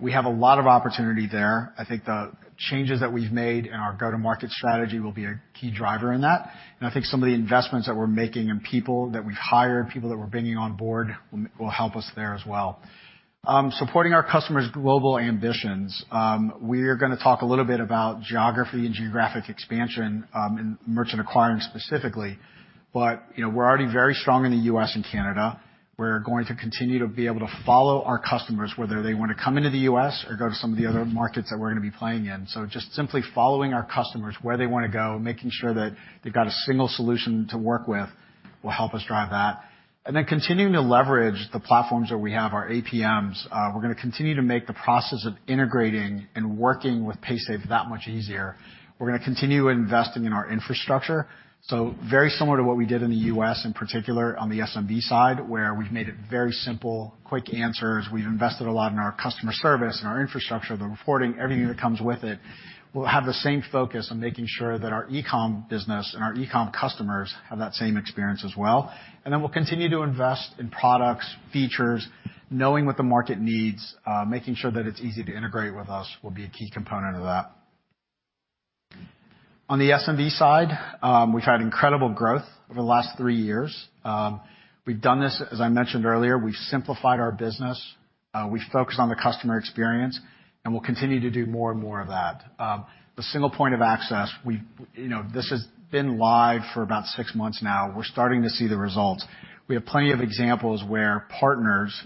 Speaker 13: We have a lot of opportunity there. I think the changes that we've made in our go-to-market strategy will be a key driver in that. I think some of the investments that we're making in people that we've hired, people that we're bringing on board will help us there as well. Supporting our customers' global ambitions, we are gonna talk a little bit about geography and geographic expansion in merchant acquiring specifically. You know, we're already very strong in the U.S. and Canada. We're going to continue to be able to follow our customers, whether they wanna come into the U.S. or go to some of the other markets that we're gonna be playing in. Just simply following our customers where they wanna go, making sure that they've got a single solution to work with will help us drive that. Continuing to leverage the platforms that we have, our APMs. We're gonna continue to make the process of integrating and working with Paysafe that much easier. We're gonna continue investing in our infrastructure. Very similar to what we did in the U.S. in particular on the SMB side, where we've made it very simple, quick answers. We've invested a lot in our customer service and our infrastructure, the reporting, everything that comes with it. We'll have the same focus on making sure that our e-com business and our e-com customers have that same experience as well. We'll continue to invest in products, features, knowing what the market needs, making sure that it's easy to integrate with us will be a key component of that. On the SMB side, we've had incredible growth over the last three years. We've done this, as I mentioned earlier, we've simplified our business. We've focused on the customer experience, and we'll continue to do more and more of that. The single point of access, we've, you know, this has been live for about six months now. We're starting to see the results. We have plenty of examples where partners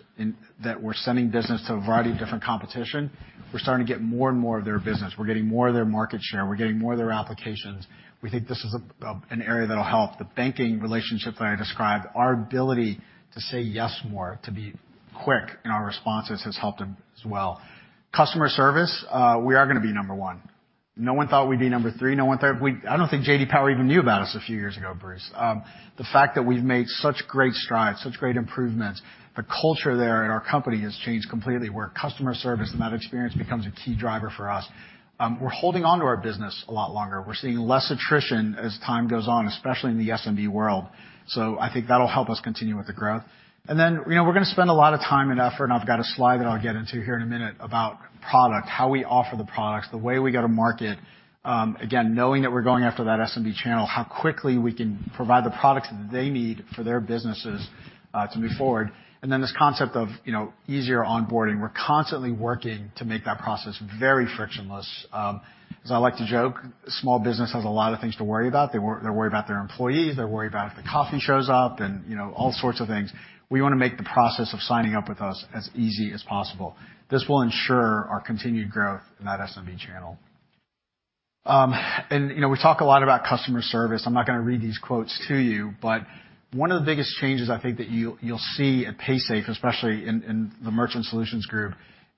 Speaker 13: that were sending business to a variety of different competition, we're starting to get more and more of their business. We're getting more of their market share. We're getting more of their applications. We think this is an area that'll help. The banking relationship that I described, our ability to say yes more, to be quick in our responses has helped them as well. Customer service, we are gonna be number 1. No one thought we'd be number 3. I don't think J.D. Power even knew about us a few years ago, Bruce. The fact that we've made such great strides, such great improvements, the culture there at our company has changed completely. We're customer service, and that experience becomes a key driver for us. We're holding onto our business a lot longer. We're seeing less attrition as time goes on, especially in the SMB world. I think that'll help us continue with the growth. You know, we're gonna spend a lot of time and effort, and I've got a slide that I'll get into here in a minute, about product, how we offer the products, the way we go to market. Again, knowing that we're going after that SMB channel, how quickly we can provide the products that they need for their businesses to move forward. This concept of, you know, easier onboarding. We're constantly working to make that process very frictionless. As I like to joke, small business has a lot of things to worry about. They worry about their employees. They worry about if the coffee shows up and, you know, all sorts of things. We wanna make the process of signing up with us as easy as possible. This will ensure our continued growth in that SMB channel. You know, we talk a lot about customer service. I'm not gonna read these quotes to you, but one of the biggest changes I think that you'll see at Paysafe, especially in the Merchant Solutions group,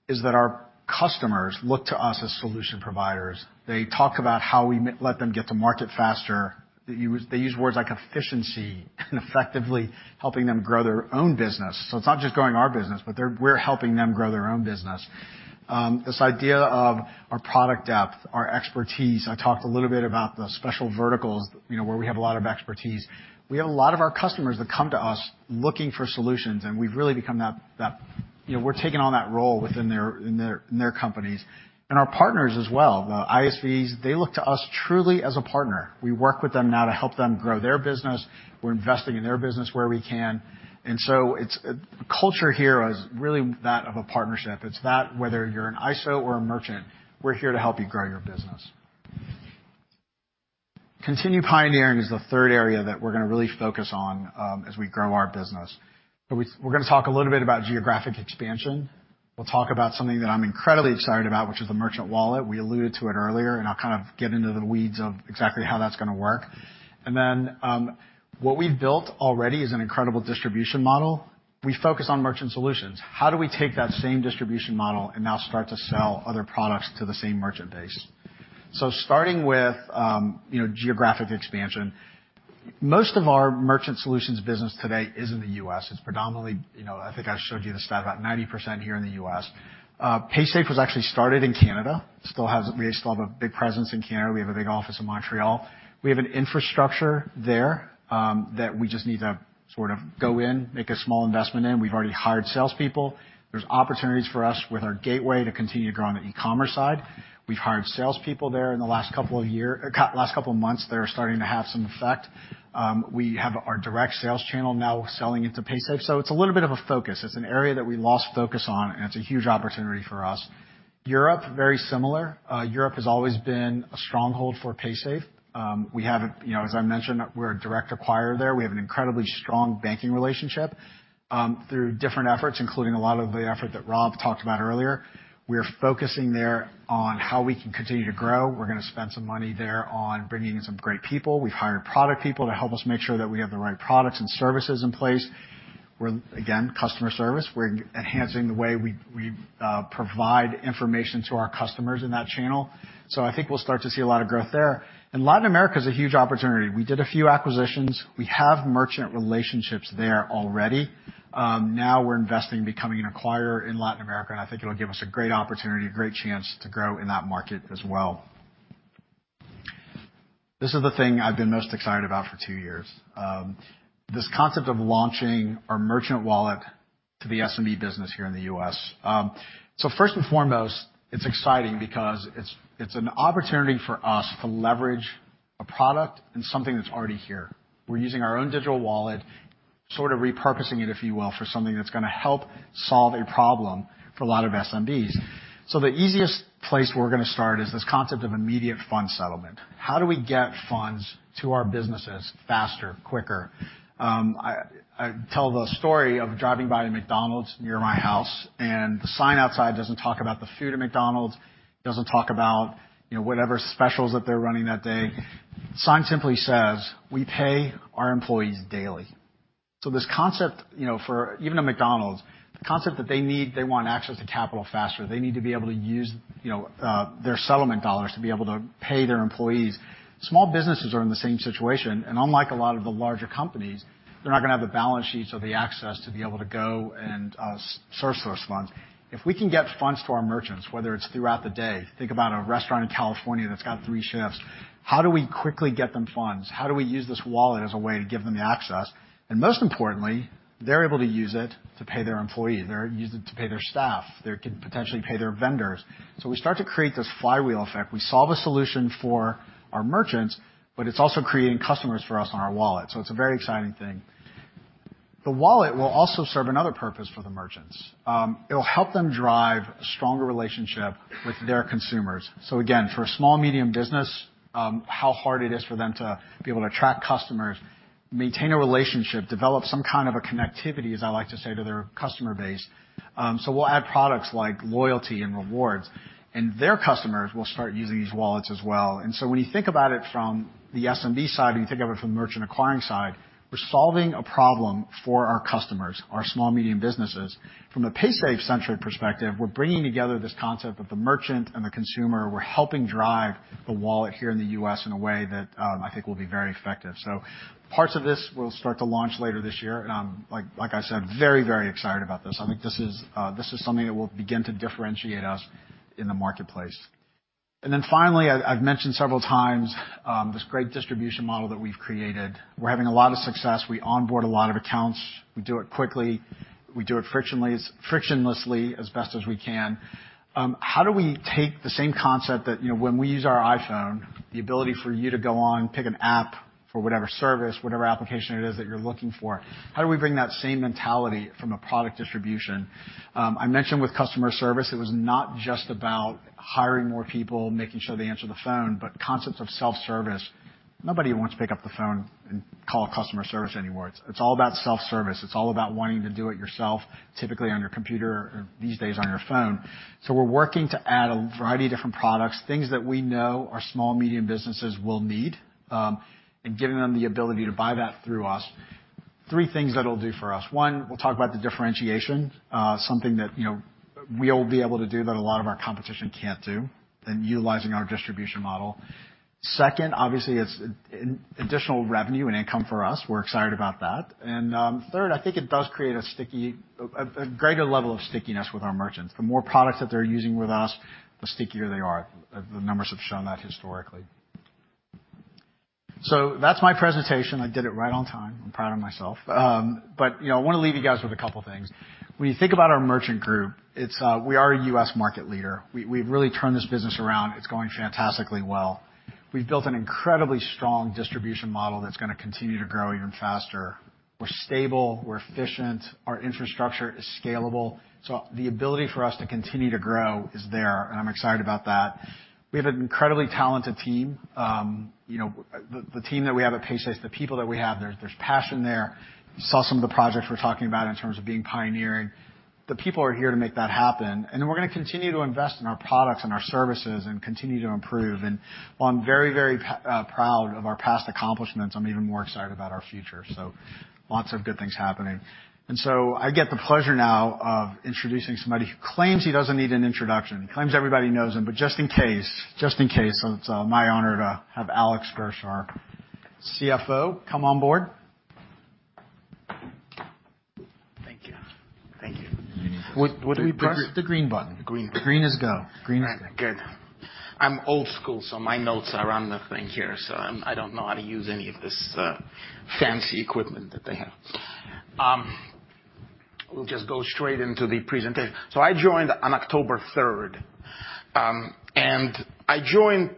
Speaker 13: is that our customers look to us as solution providers. They talk about how we let them get to market faster. They use words like efficiency and effectively helping them grow their own business. It's not just growing our business, but we're helping them grow their own business. This idea of our product depth, our expertise, I talked a little bit about the special verticals, you know, where we have a lot of expertise. We have a lot of our customers that come to us looking for solutions, and we've really become that, you know, we're taking on that role within their, in their, in their companies. Our partners as well, the ISVs, they look to us truly as a partner. We work with them now to help them grow their business. We're investing in their business where we can. Culture here is really that of a partnership. It's that whether you're an ISO or a merchant, we're here to help you grow your business. Continue pioneering is the third area that we're gonna really focus on as we grow our business. We're gonna talk a little bit about geographic expansion. We'll talk about something that I'm incredibly excited about, which is the merchant wallet. We alluded to it earlier, I'll kind of get into the weeds of exactly how that's gonna work. What we've built already is an incredible distribution model. We focus on Merchant Solutions. How do we take that same distribution model and now start to sell other products to the same merchant base? Starting with, you know, geographic expansion, most of our Merchant Solutions business today is in the U.S. It's predominantly, you know, I think I showed you the stat, about 90% here in the U.S. Paysafe was actually started in Canada. We still have a big presence in Canada. We have a big office in Montreal. We have an infrastructure there, that we just need to sort of go in, make a small investment in. We've already hired salespeople. There's opportunities for us with our gateway to continue to grow on the e-commerce side. We've hired salespeople there in the last couple of months. They're starting to have some effect. We have our direct sales channel now selling into Paysafe. It's a little bit of a focus. It's an area that we lost focus on, and it's a huge opportunity for us. Europe, very similar. Europe has always been a stronghold for Paysafe. We have a, you know, as I mentioned, we're a direct acquirer there. We have an incredibly strong banking relationship, through different efforts, including a lot of the effort that Rob talked about earlier. We're focusing there on how we can continue to grow. We're gonna spend some money there on bringing in some great people. We've hired product people to help us make sure that we have the right products and services in place. We're, again, customer service. We're enhancing the way we provide information to our customers in that channel. I think we'll start to see a lot of growth there. Latin America is a huge opportunity. We did a few acquisitions. We have merchant relationships there already. Now we're investing in becoming an acquirer in Latin America, and I think it'll give us a great opportunity, a great chance to grow in that market as well. This is the thing I've been most excited about for two years. This concept of launching our merchant wallet to the SME business here in the U.S. First and foremost, it's an opportunity for us to leverage a product and something that's already here. We're using our own digital wallet, sort of repurposing it, if you will, for something that's gonna help solve a problem for a lot of SMBs. The easiest place we're gonna start is this concept of immediate fund settlement. How do we get funds to our businesses faster, quicker? I tell the story of driving by a McDonald's near my house. The sign outside doesn't talk about the food at McDonald's, doesn't talk about, you know, whatever specials that they're running that day. Sign simply says, "We pay our employees daily." This concept, you know, for even a McDonald's, the concept that they need, they want access to capital faster. They need to be able to use, you know, their settlement dollars to be able to pay their employees. Small businesses are in the same situation. Unlike a lot of the larger companies, they're not gonna have the balance sheets or the access to be able to go and source those funds. If we can get funds to our merchants, whether it's throughout the day, think about a restaurant in California that's got three shifts. How do we quickly get them funds? How do we use this wallet as a way to give them the access? Most importantly, they're able to use it to pay their employees. They use it to pay their staff. They can potentially pay their vendors. We start to create this flywheel effect. We solve a solution for our merchants, but it's also creating customers for us on our wallet. It's a very exciting thing. The wallet will also serve another purpose for the merchants. It'll help them drive a stronger relationship with their consumers. Again, for a small medium business, how hard it is for them to be able to attract customers, maintain a relationship, develop some kind of a connectivity, as I like to say, to their customer base. We'll add products like loyalty and rewards, and their customers will start using these wallets as well. When you think about it from the SMB side, when you think of it from the merchant acquiring side, we're solving a problem for our customers, our small, medium businesses. From a Paysafe-centric perspective, we're bringing together this concept of the merchant and the consumer. We're helping drive the wallet here in the U.S. in a way that I think will be very effective. Parts of this will start to launch later this year, and I'm, like I said, very excited about this. I think this is something that will begin to differentiate us in the marketplace. Then finally, I've mentioned several times, this great distribution model that we've created. We're having a lot of success. We onboard a lot of accounts. We do it quickly, we do it frictionlessly, as best as we can. How do we take the same concept that, you know, when we use our iPhone, the ability for you to go on, pick an app for whatever service, whatever application it is that you're looking for, how do we bring that same mentality from a product distribution? I mentioned with customer service, it was not just about hiring more people, making sure they answer the phone, but concepts of self-service. Nobody wants to pick up the phone and call customer service anymore. It's all about self-service. It's all about wanting to do it yourself, typically on your computer or these days on your phone. We're working to add a variety of different products, things that we know our small, medium businesses will need, and giving them the ability to buy that through us. Three things that'll do for us. One, we'll talk about the differentiation, something that, you know. We'll be able to do what a lot of our competition can't do in utilizing our distribution model. Second, obviously it's additional revenue and income for us. We're excited about that. Third, I think it does create a greater level of stickiness with our merchants. The more products that they're using with us, the stickier they are. The numbers have shown that historically. That's my presentation. I did it right on time. I'm proud of myself. You know, I wanna leave you guys with a couple things. When you think about our merchant group, it's, we are a U.S. market leader. We've really turned this business around. It's going fantastically well. We've built an incredibly strong distribution model that's gonna continue to grow even faster. We're stable, we're efficient, our infrastructure is scalable. The ability for us to continue to grow is there, and I'm excited about that. We have an incredibly talented team. you know, the team that we have at Paysafe, the people that we have, there's passion there. You saw some of the projects we're talking about in terms of being pioneering. The people are here to make that happen. Then we're gonna continue to invest in our products and our services and continue to improve. While I'm very, very proud of our past accomplishments, I'm even more excited about our future. Lots of good things happening. I get the pleasure now of introducing somebody who claims he doesn't need an introduction, claims everybody knows him. Just in case, just in case, it's my honor to have Alex Gersh, our CFO, come on board.
Speaker 14: Thank you. Thank you. What, what do we press?
Speaker 13: The green button.
Speaker 14: Green.
Speaker 13: Green is go. Green is go.
Speaker 14: All right. Good. I'm old school, so my notes are on the thing here. I don't know how to use any of this fancy equipment that they have. We'll just go straight into the presentation. I joined on October 3rd. I joined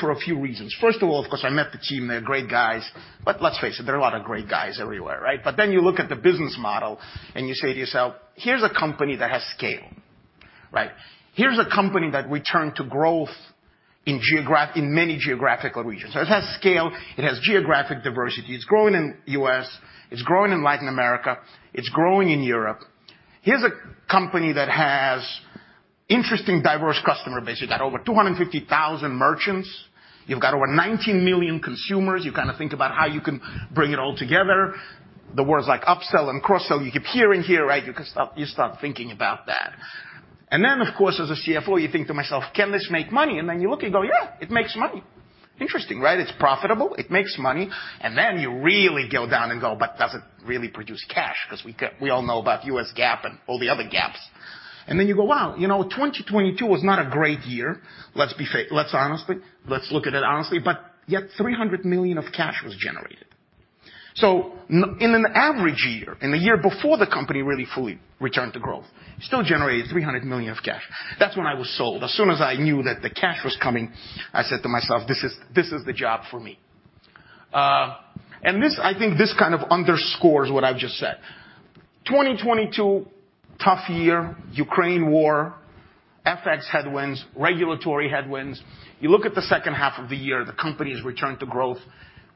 Speaker 14: for a few reasons. First of all, of course, I met the team. They're great guys. Let's face it, there are a lot of great guys everywhere, right? You look at the business model and you say to yourself, "Here's a company that has scale." Right? Here's a company that we turn to growth in many geographical regions. It has scale, it has geographic diversity. It's growing in U.S., it's growing in Latin America, it's growing in Europe. Here's a company that has interesting, diverse customer base. You've got over 250,000 merchants. You've got over 19 million consumers. You kinda think about how you can bring it all together. The words like upsell and cross-sell, you keep hearing here, right? You start thinking about that. Then, of course, as a CFO, you think to myself, "Can this make money?" Then you look and go, "Yeah, it makes money." Interesting, right? It's profitable, it makes money, then you really go down and go, "But does it really produce cash?" 'Cause we all know about U.S. GAAP and all the other GAAPs. Then you go, "Wow, you know, 2022 was not a great year." Let's look at it honestly. Yet $300 million of cash was generated. In an average year, in the year before the company really fully returned to growth, still generated $300 million of cash. That's when I was sold. As soon as I knew that the cash was coming, I said to myself, "This is the job for me." This I think this kind of underscores what I've just said. 2022, tough year, Ukraine War, FX headwinds, regulatory headwinds. You look at the second half of the year, the company's return to growth.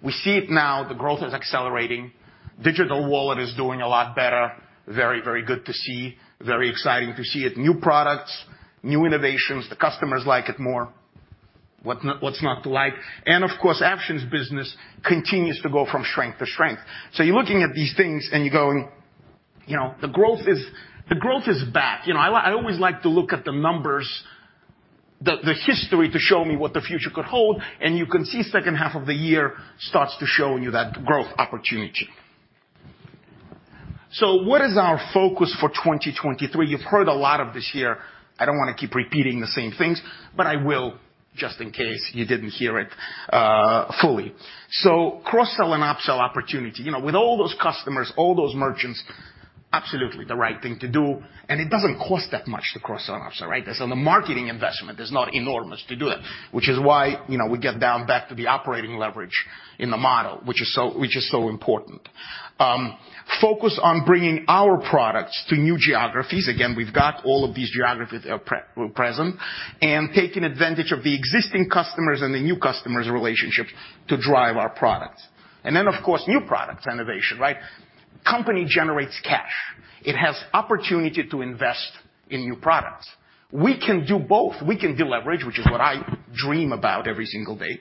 Speaker 14: We see it now, the growth is accelerating. Digital wallet is doing a lot better. Very good to see. Very exciting to see it. New products, new innovations, the customers like it more. What's not to like? Of course, actions business continues to go from strength to strength. You're looking at these things and you're going, you know, the growth is back. You know, I always like to look at the numbers, the history to show me what the future could hold, and you can see second half of the year starts to show you that growth opportunity. What is our focus for 2023? You've heard a lot of this year. I don't wanna keep repeating the same things, but I will just in case you didn't hear it fully. Cross-sell and upsell opportunity. You know, with all those customers, all those merchants, absolutely the right thing to do. It doesn't cost that much to cross-sell and upsell, right? The marketing investment is not enormous to do it, which is why, you know, we get down back to the operating leverage in the model, which is so important. Focus on bringing our products to new geographies. Again, we've got all of these geographies are pre-present, and taking advantage of the existing customers and the new customers' relationships to drive our products. Of course, new products innovation, right? Company generates cash. It has opportunity to invest in new products. We can do both. We can deleverage, which is what I dream about every single day.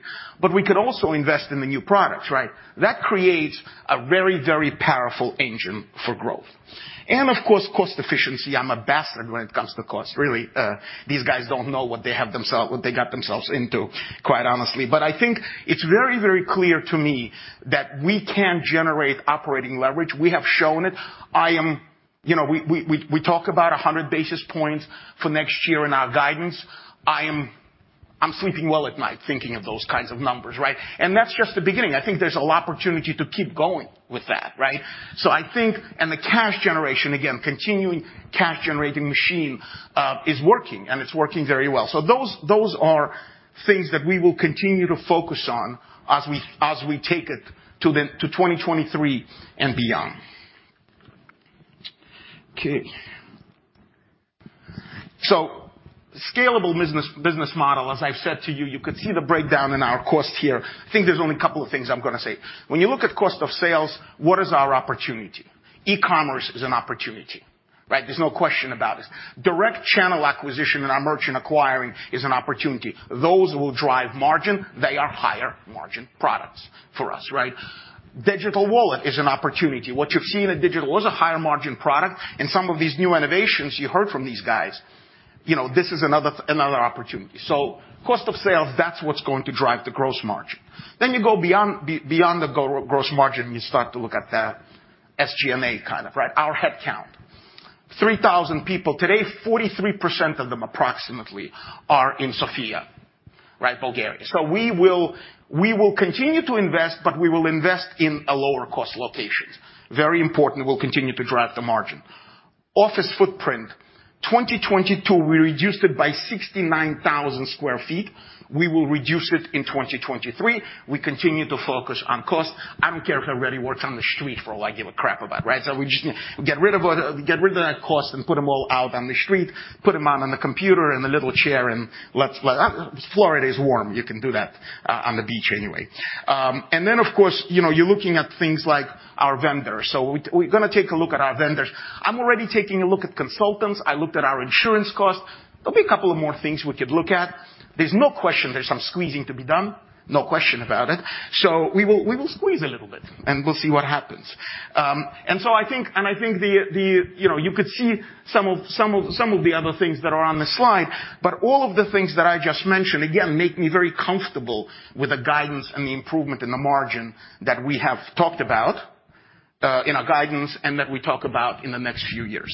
Speaker 14: We can also invest in the new products, right? That creates a very, very powerful engine for growth. Of course, cost efficiency. I'm ambassador when it comes to cost, really. These guys don't know what they have what they got themselves into, quite honestly. I think it's very, very clear to me that we can generate operating leverage. We have shown it. You know, we, we talk about 100 basis points for next year in our guidance. I'm sleeping well at night thinking of those kinds of numbers, right? That's just the beginning. I think there's a lot opportunity to keep going with that, right? I think the cash generation, again, continuing cash generating machine, is working, and it's working very well. So those are things that we will continue to focus on as we, as we take it to 2023 and beyond. Okay. Scalable business model, as I've said to you could see the breakdown in our cost here. I think there's only a couple of things I'm gonna say. When you look at cost of sales, what is our opportunity? E-commerce is an opportunity. Right? There's no question about it. Direct channel acquisition in our merchant acquiring is an opportunity. Those will drive margin. They are higher margin products for us, right? Digital wallet is an opportunity. What you've seen in digital is a higher margin product, and some of these new innovations you heard from these guys, you know, this is another opportunity. Cost of sales, that's what's going to drive the gross margin. You go beyond the gross margin, you start to look at the SG&A kind of, right? Our headcount. 3,000 people. Today, 43% of them approximately are in Sofia, right, Bulgaria. We will continue to invest, but we will invest in a lower cost location. Very important, will continue to drive the margin. Office footprint. 2022, we reduced it by 69,000 sq ft. We will reduce it in 2023. We continue to focus on cost. I don't care if everybody works on the street for all I give a crap about, right? We just need get rid of, get rid of that cost and put them all out on the street, put them out on the computer and a little chair and let's Florida is warm. You can do that on the beach anyway. Of course, you know, you're looking at things like our vendors. We're gonna take a look at our vendors. I'm already taking a look at consultants. I looked at our insurance costs. There'll be a couple of more things we could look at. There's no question there's some squeezing to be done, no question about it. We will squeeze a little bit and we'll see what happens. And I think the, you know, you could see some of the other things that are on the slide. All of the things that I just mentioned, again, make me very comfortable with the guidance and the improvement in the margin that we have talked about, in our guidance and that we talk about in the next few years.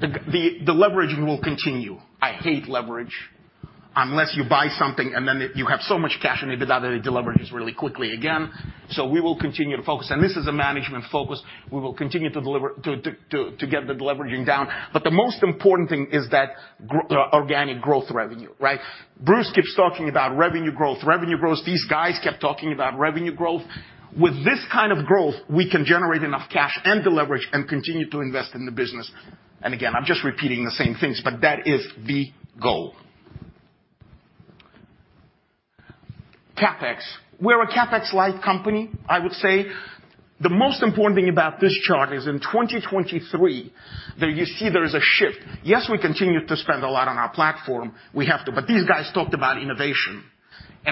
Speaker 14: The leverage will continue. I hate leverage unless you buy something and then you have so much cash in EBITDA, the leverage is really quickly again. We will continue to focus, and this is a management focus. We will continue to deliver to get the leveraging down. The most important thing is that organic growth revenue, right? Bruce keeps talking about revenue growth, revenue growth. These guys kept talking about revenue growth. With this kind of growth, we can generate enough cash and the leverage and continue to invest in the business. Again, I'm just repeating the same things, but that is the goal. CapEx. We're a CapEx-like company, I would say. The most important thing about this chart is in 2023, there you see there is a shift. Yes, we continue to spend a lot on our platform. We have to. These guys talked about innovation,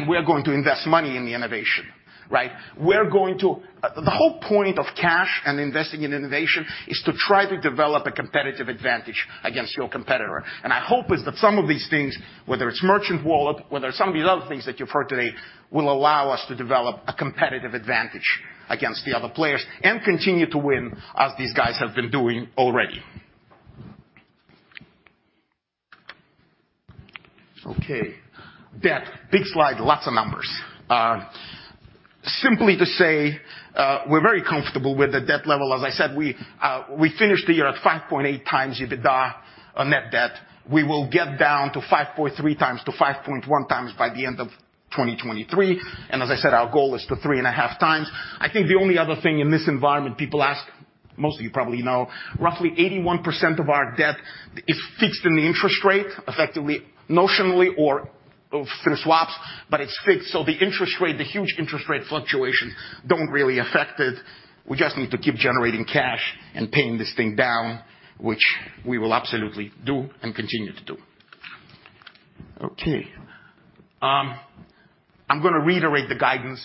Speaker 14: we're going to invest money in the innovation, right? The whole point of cash and investing in innovation is to try to develop a competitive advantage against your competitor. My hope is that some of these things, whether it's merchant wallet, whether it's some of these other things that you've heard today, will allow us to develop a competitive advantage against the other players and continue to win as these guys have been doing already. Okay. Debt. Big slide, lots of numbers. Simply to say, we're very comfortable with the debt level. As I said, we finished the year at 5.8x EBITDA on net debt. We will get down to 5.3x-5.1x by the end of 2023. As I said, our goal is to 3.5x. I think the only other thing in this environment people ask, most of you probably know, roughly 81% of our debt is fixed in the interest rate, effectively, notionally or through swaps, but it's fixed. The interest rate, the huge interest rate fluctuation don't really affect it. We just need to keep generating cash and paying this thing down, which we will absolutely do and continue to do. Okay. I'm gonna reiterate the guidance.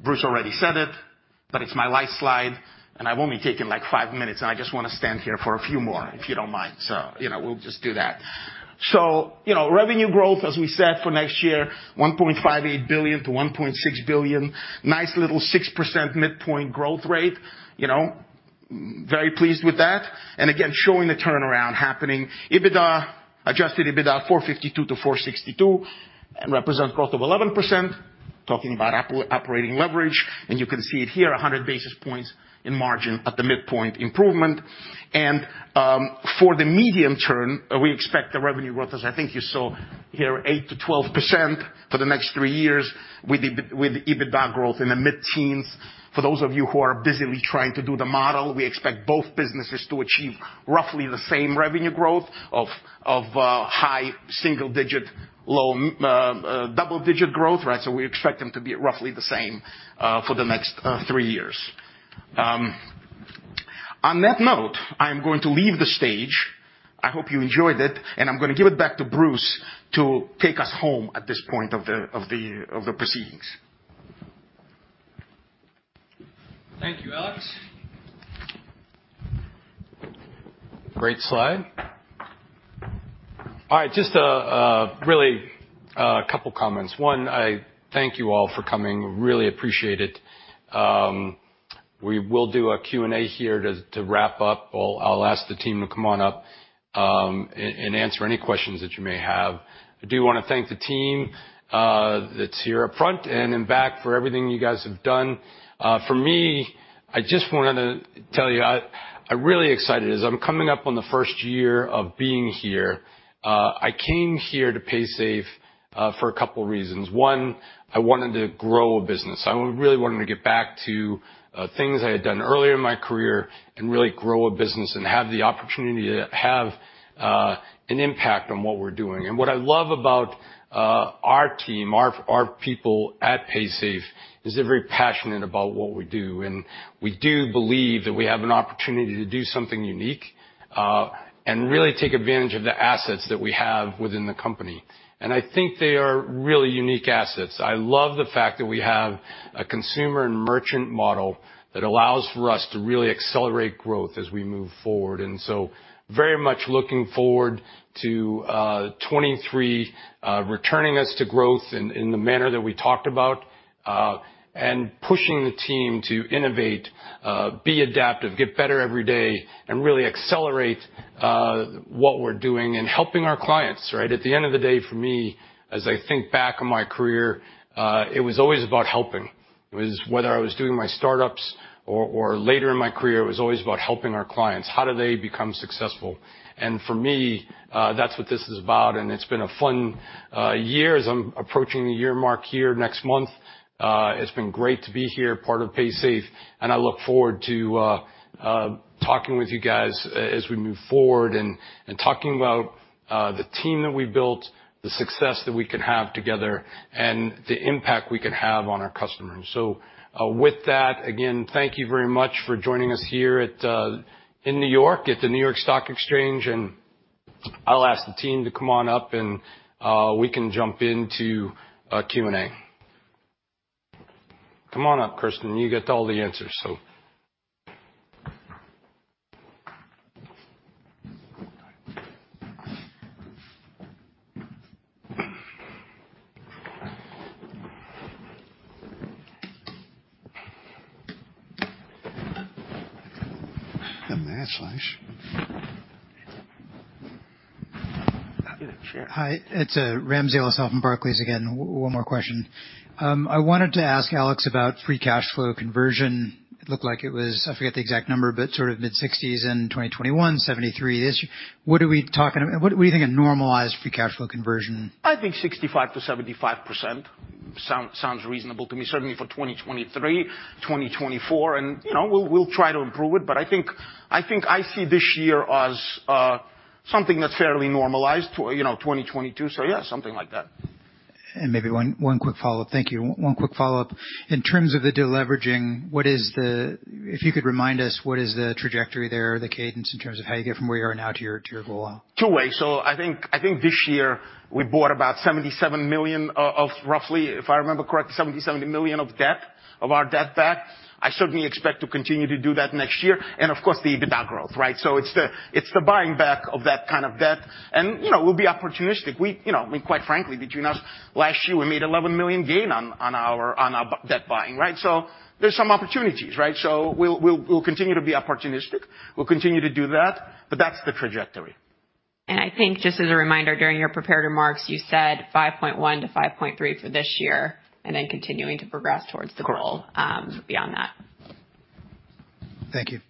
Speaker 14: Bruce already said it, but it's my last slide, and I've only taken like 5 minutes, and I just wanna stand here for a few more, if you don't mind. You know, we'll just do that. You know, revenue growth, as we said, for next year, $1.58 billion-$1.6 billion. Nice little 6% midpoint growth rate. You know, very pleased with that. Again, showing the turnaround happening. EBITDA, adjusted EBITDA, 452 to 462, represent growth of 11%, talking about operating leverage. You can see it here, 100 basis points in margin at the midpoint improvement. For the medium term, we expect the revenue growth, as I think you saw here, 8%-12% for the next three years with EBITDA growth in the mid-teens. For those of you who are busily trying to do the model, we expect both businesses to achieve roughly the same revenue growth of high single digit, low double-digit growth, right? We expect them to be roughly the same for the next three years. On that note, I am going to leave the stage. I hope you enjoyed it. I'm gonna give it back to Bruce to take us home at this point of the proceedings.
Speaker 2: Thank you, Alex. Great slide. All right. Just, really a couple of comments. One, I thank you all for coming. Really appreciate it. We will do a Q&A here to wrap up. I'll ask the team to come on up and answer any questions that you may have. I do wanna thank the team that's here up front and in back for everything you guys have done. For me, I just wanted to tell you, I'm really excited as I'm coming up on the first year of being here. I came here to Paysafe for a couple reasons. One, I wanted to grow a business. I really wanted to get back to things I had done earlier in my career and really grow a business and have the opportunity to have an impact on what we're doing. What I love about our team, our people at Paysafe is very passionate about what we do, and we do believe that we have an opportunity to do something unique and really take advantage of the assets that we have within the company. I think they are really unique assets. I love the fact that we have a consumer and merchant model that allows for us to really accelerate growth as we move forward. Very much looking forward to 2023 returning us to growth in the manner that we talked about and pushing the team to innovate, be adaptive, get better every day, and really accelerate what we're doing and helping our clients, right? At the end of the day, for me, as I think back on my career, it was always about helping. It was whether I was doing my startups or later in my career, it was always about helping our clients. How do they become successful? For me, that's what this is about, and it's been a fun year as I'm approaching the year mark here next month. It's been great to be here, part of Paysafe, and I look forward to talking with you guys as we move forward and talking about the team that we built, the success that we can have together, and the impact we can have on our customers. With that, again, thank you very much for joining us here in New York at the New York Stock Exchange, and I'll ask the team to come on up and we can jump into Q&A. Come on up, Kristen. You get all the answers, so. The man slash.
Speaker 9: Hi. It's Ramsey El-Assal from Barclays again. One more question. I wanted to ask Alex Gersh about free cash flow conversion. It looked like it was I forget the exact number, but sort of mid-60s in 2021, 73 this year. What do you think a normalized free cash flow conversion?
Speaker 14: I think 65%-75% sounds reasonable to me, certainly for 2023, 2024. You know, we'll try to improve it, but I think, I think I see this year as something that's fairly normalized to, you know, 2022. Yeah, something like that.
Speaker 9: Maybe one quick follow-up. Thank you. One quick follow-up. In terms of the deleveraging, what is the trajectory there, the cadence in terms of how you get from where you are now to your goal?
Speaker 14: Two ways. I think this year we bought about $77 million of, roughly, if I remember correctly, $77 million of debt, of our debt back. I certainly expect to continue to do that next year. Of course, the EBITDA growth, right? It's the buying back of that kind of debt. You know, we'll be opportunistic. We, you know, I mean, quite frankly, between us, last year, we made $11 million gain on our B-debt buying, right? There's some opportunities, right? We'll continue to be opportunistic. We'll continue to do that, but that's the trajectory.
Speaker 1: I think just as a reminder, during your prepared remarks, you said 5.1-5.3 for this year, then continuing to progress towards the goal.
Speaker 14: Correct.
Speaker 1: beyond that.
Speaker 9: Thank you.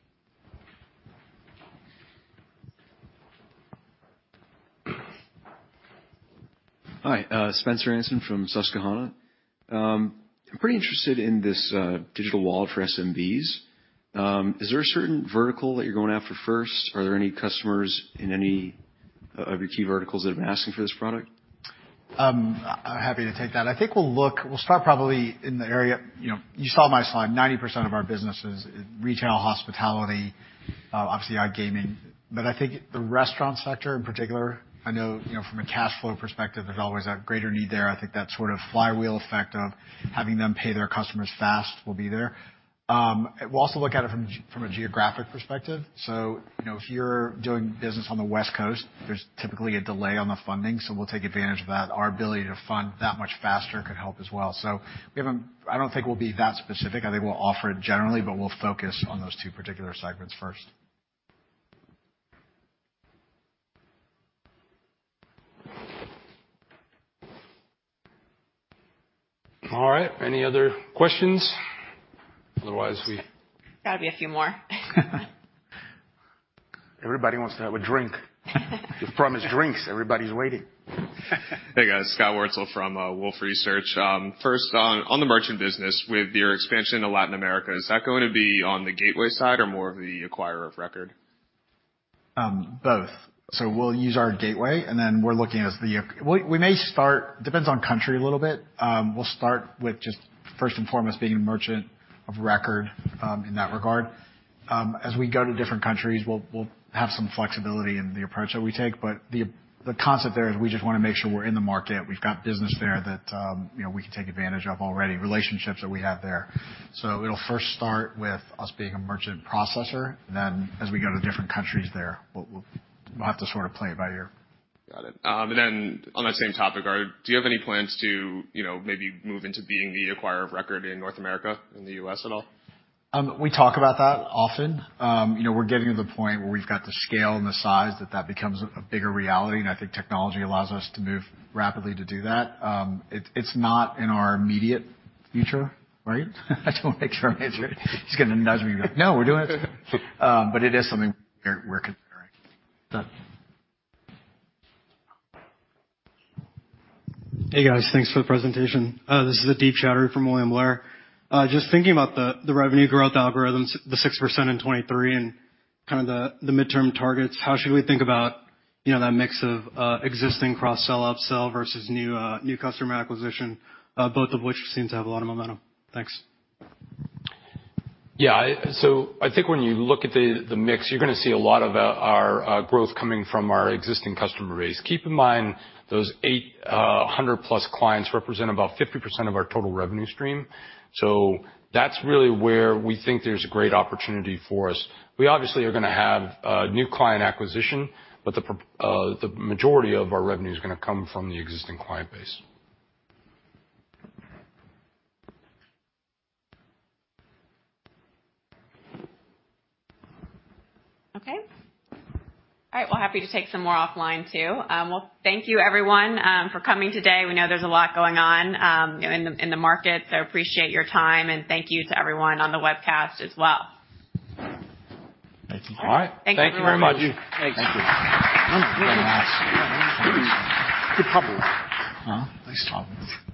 Speaker 15: Hi. Spencer Anson from Susquehanna. I'm pretty interested in this digital wallet for SMBs. Is there a certain vertical that you're going after first? Are there any customers in any of your key verticals that have been asking for this product?
Speaker 13: I'm happy to take that. I think we'll start probably in the area, you know, you saw my slide, 90% of our business is retail, hospitality, obviously our gaming. I think the restaurant sector in particular, I know, you know, from a cash flow perspective, there's always a greater need there. I think that sort of flywheel effect of having them pay their customers fast will be there. We'll also look at it from a geographic perspective. You know, if you're doing business on the West Coast, there's typically a delay on the funding, so we'll take advantage of that. Our ability to fund that much faster could help as well. We haven't... I don't think we'll be that specific. I think we'll offer it generally, but we'll focus on those two particular segments first.
Speaker 2: All right. Any other questions? Otherwise, we-.
Speaker 1: Gotta be a few more.
Speaker 14: Everybody wants to have a drink. You promised drinks. Everybody's waiting.
Speaker 10: Hey, guys. Scott Wurtzel from Wolfe Research. First on the merchant business with your expansion to Latin America, is that going to be on the gateway side or more of the acquirer of record?
Speaker 13: Both. We'll use our gateway, and then we're looking as we may start, depends on country a little bit, we'll start with just first and foremost being a merchant of record in that regard. As we go to different countries, we'll have some flexibility in the approach that we take. The concept there is we just wanna make sure we're in the market. We've got business there that, you know, we can take advantage of already, relationships that we have there. It'll first start with us being a merchant processor. As we go to different countries there, we'll have to sort of play it by ear.
Speaker 10: Got it. On that same topic, do you have any plans to, you know, maybe move into being the acquirer of record in North America, in the U.S. at all?
Speaker 13: We talk about that often. You know, we're getting to the point where we've got the scale and the size that that becomes a bigger reality, and I think technology allows us to move rapidly to do that. It's, it's not in our immediate future, right? I just wanna make sure I answer it. He's gonna nudge me and be like, "No, we're doing it." It is something we're considering.
Speaker 10: Done.
Speaker 16: Hey, guys. Thanks for the presentation. This is Adeeb Chowdhury from William Blair. Just thinking about the revenue growth algorithms, the 6% in 2023 and kinda the midterm targets, how should we think about, you know, that mix of existing cross-sell, up-sell versus new customer acquisition, both of which seem to have a lot of momentum? Thanks.
Speaker 2: Yeah. I think when you look at the mix, you're gonna see a lot of our growth coming from our existing customer base. Keep in mind, those 800-plus clients represent about 50% of our total revenue stream. That's really where we think there's a great opportunity for us. We obviously are gonna have new client acquisition, but the majority of our revenue is gonna come from the existing client base.
Speaker 1: Okay. All right. Well, happy to take some more offline too. Well, thank you everyone, for coming today. We know there's a lot going on, you know, in the, in the market, so appreciate your time, and thank you to everyone on the webcast as well.
Speaker 2: Thank you.
Speaker 14: All right.
Speaker 1: Thank you very much.
Speaker 2: Thank you.
Speaker 14: Good problems.
Speaker 2: Huh?
Speaker 14: Nice problems.
Speaker 2: Thank you.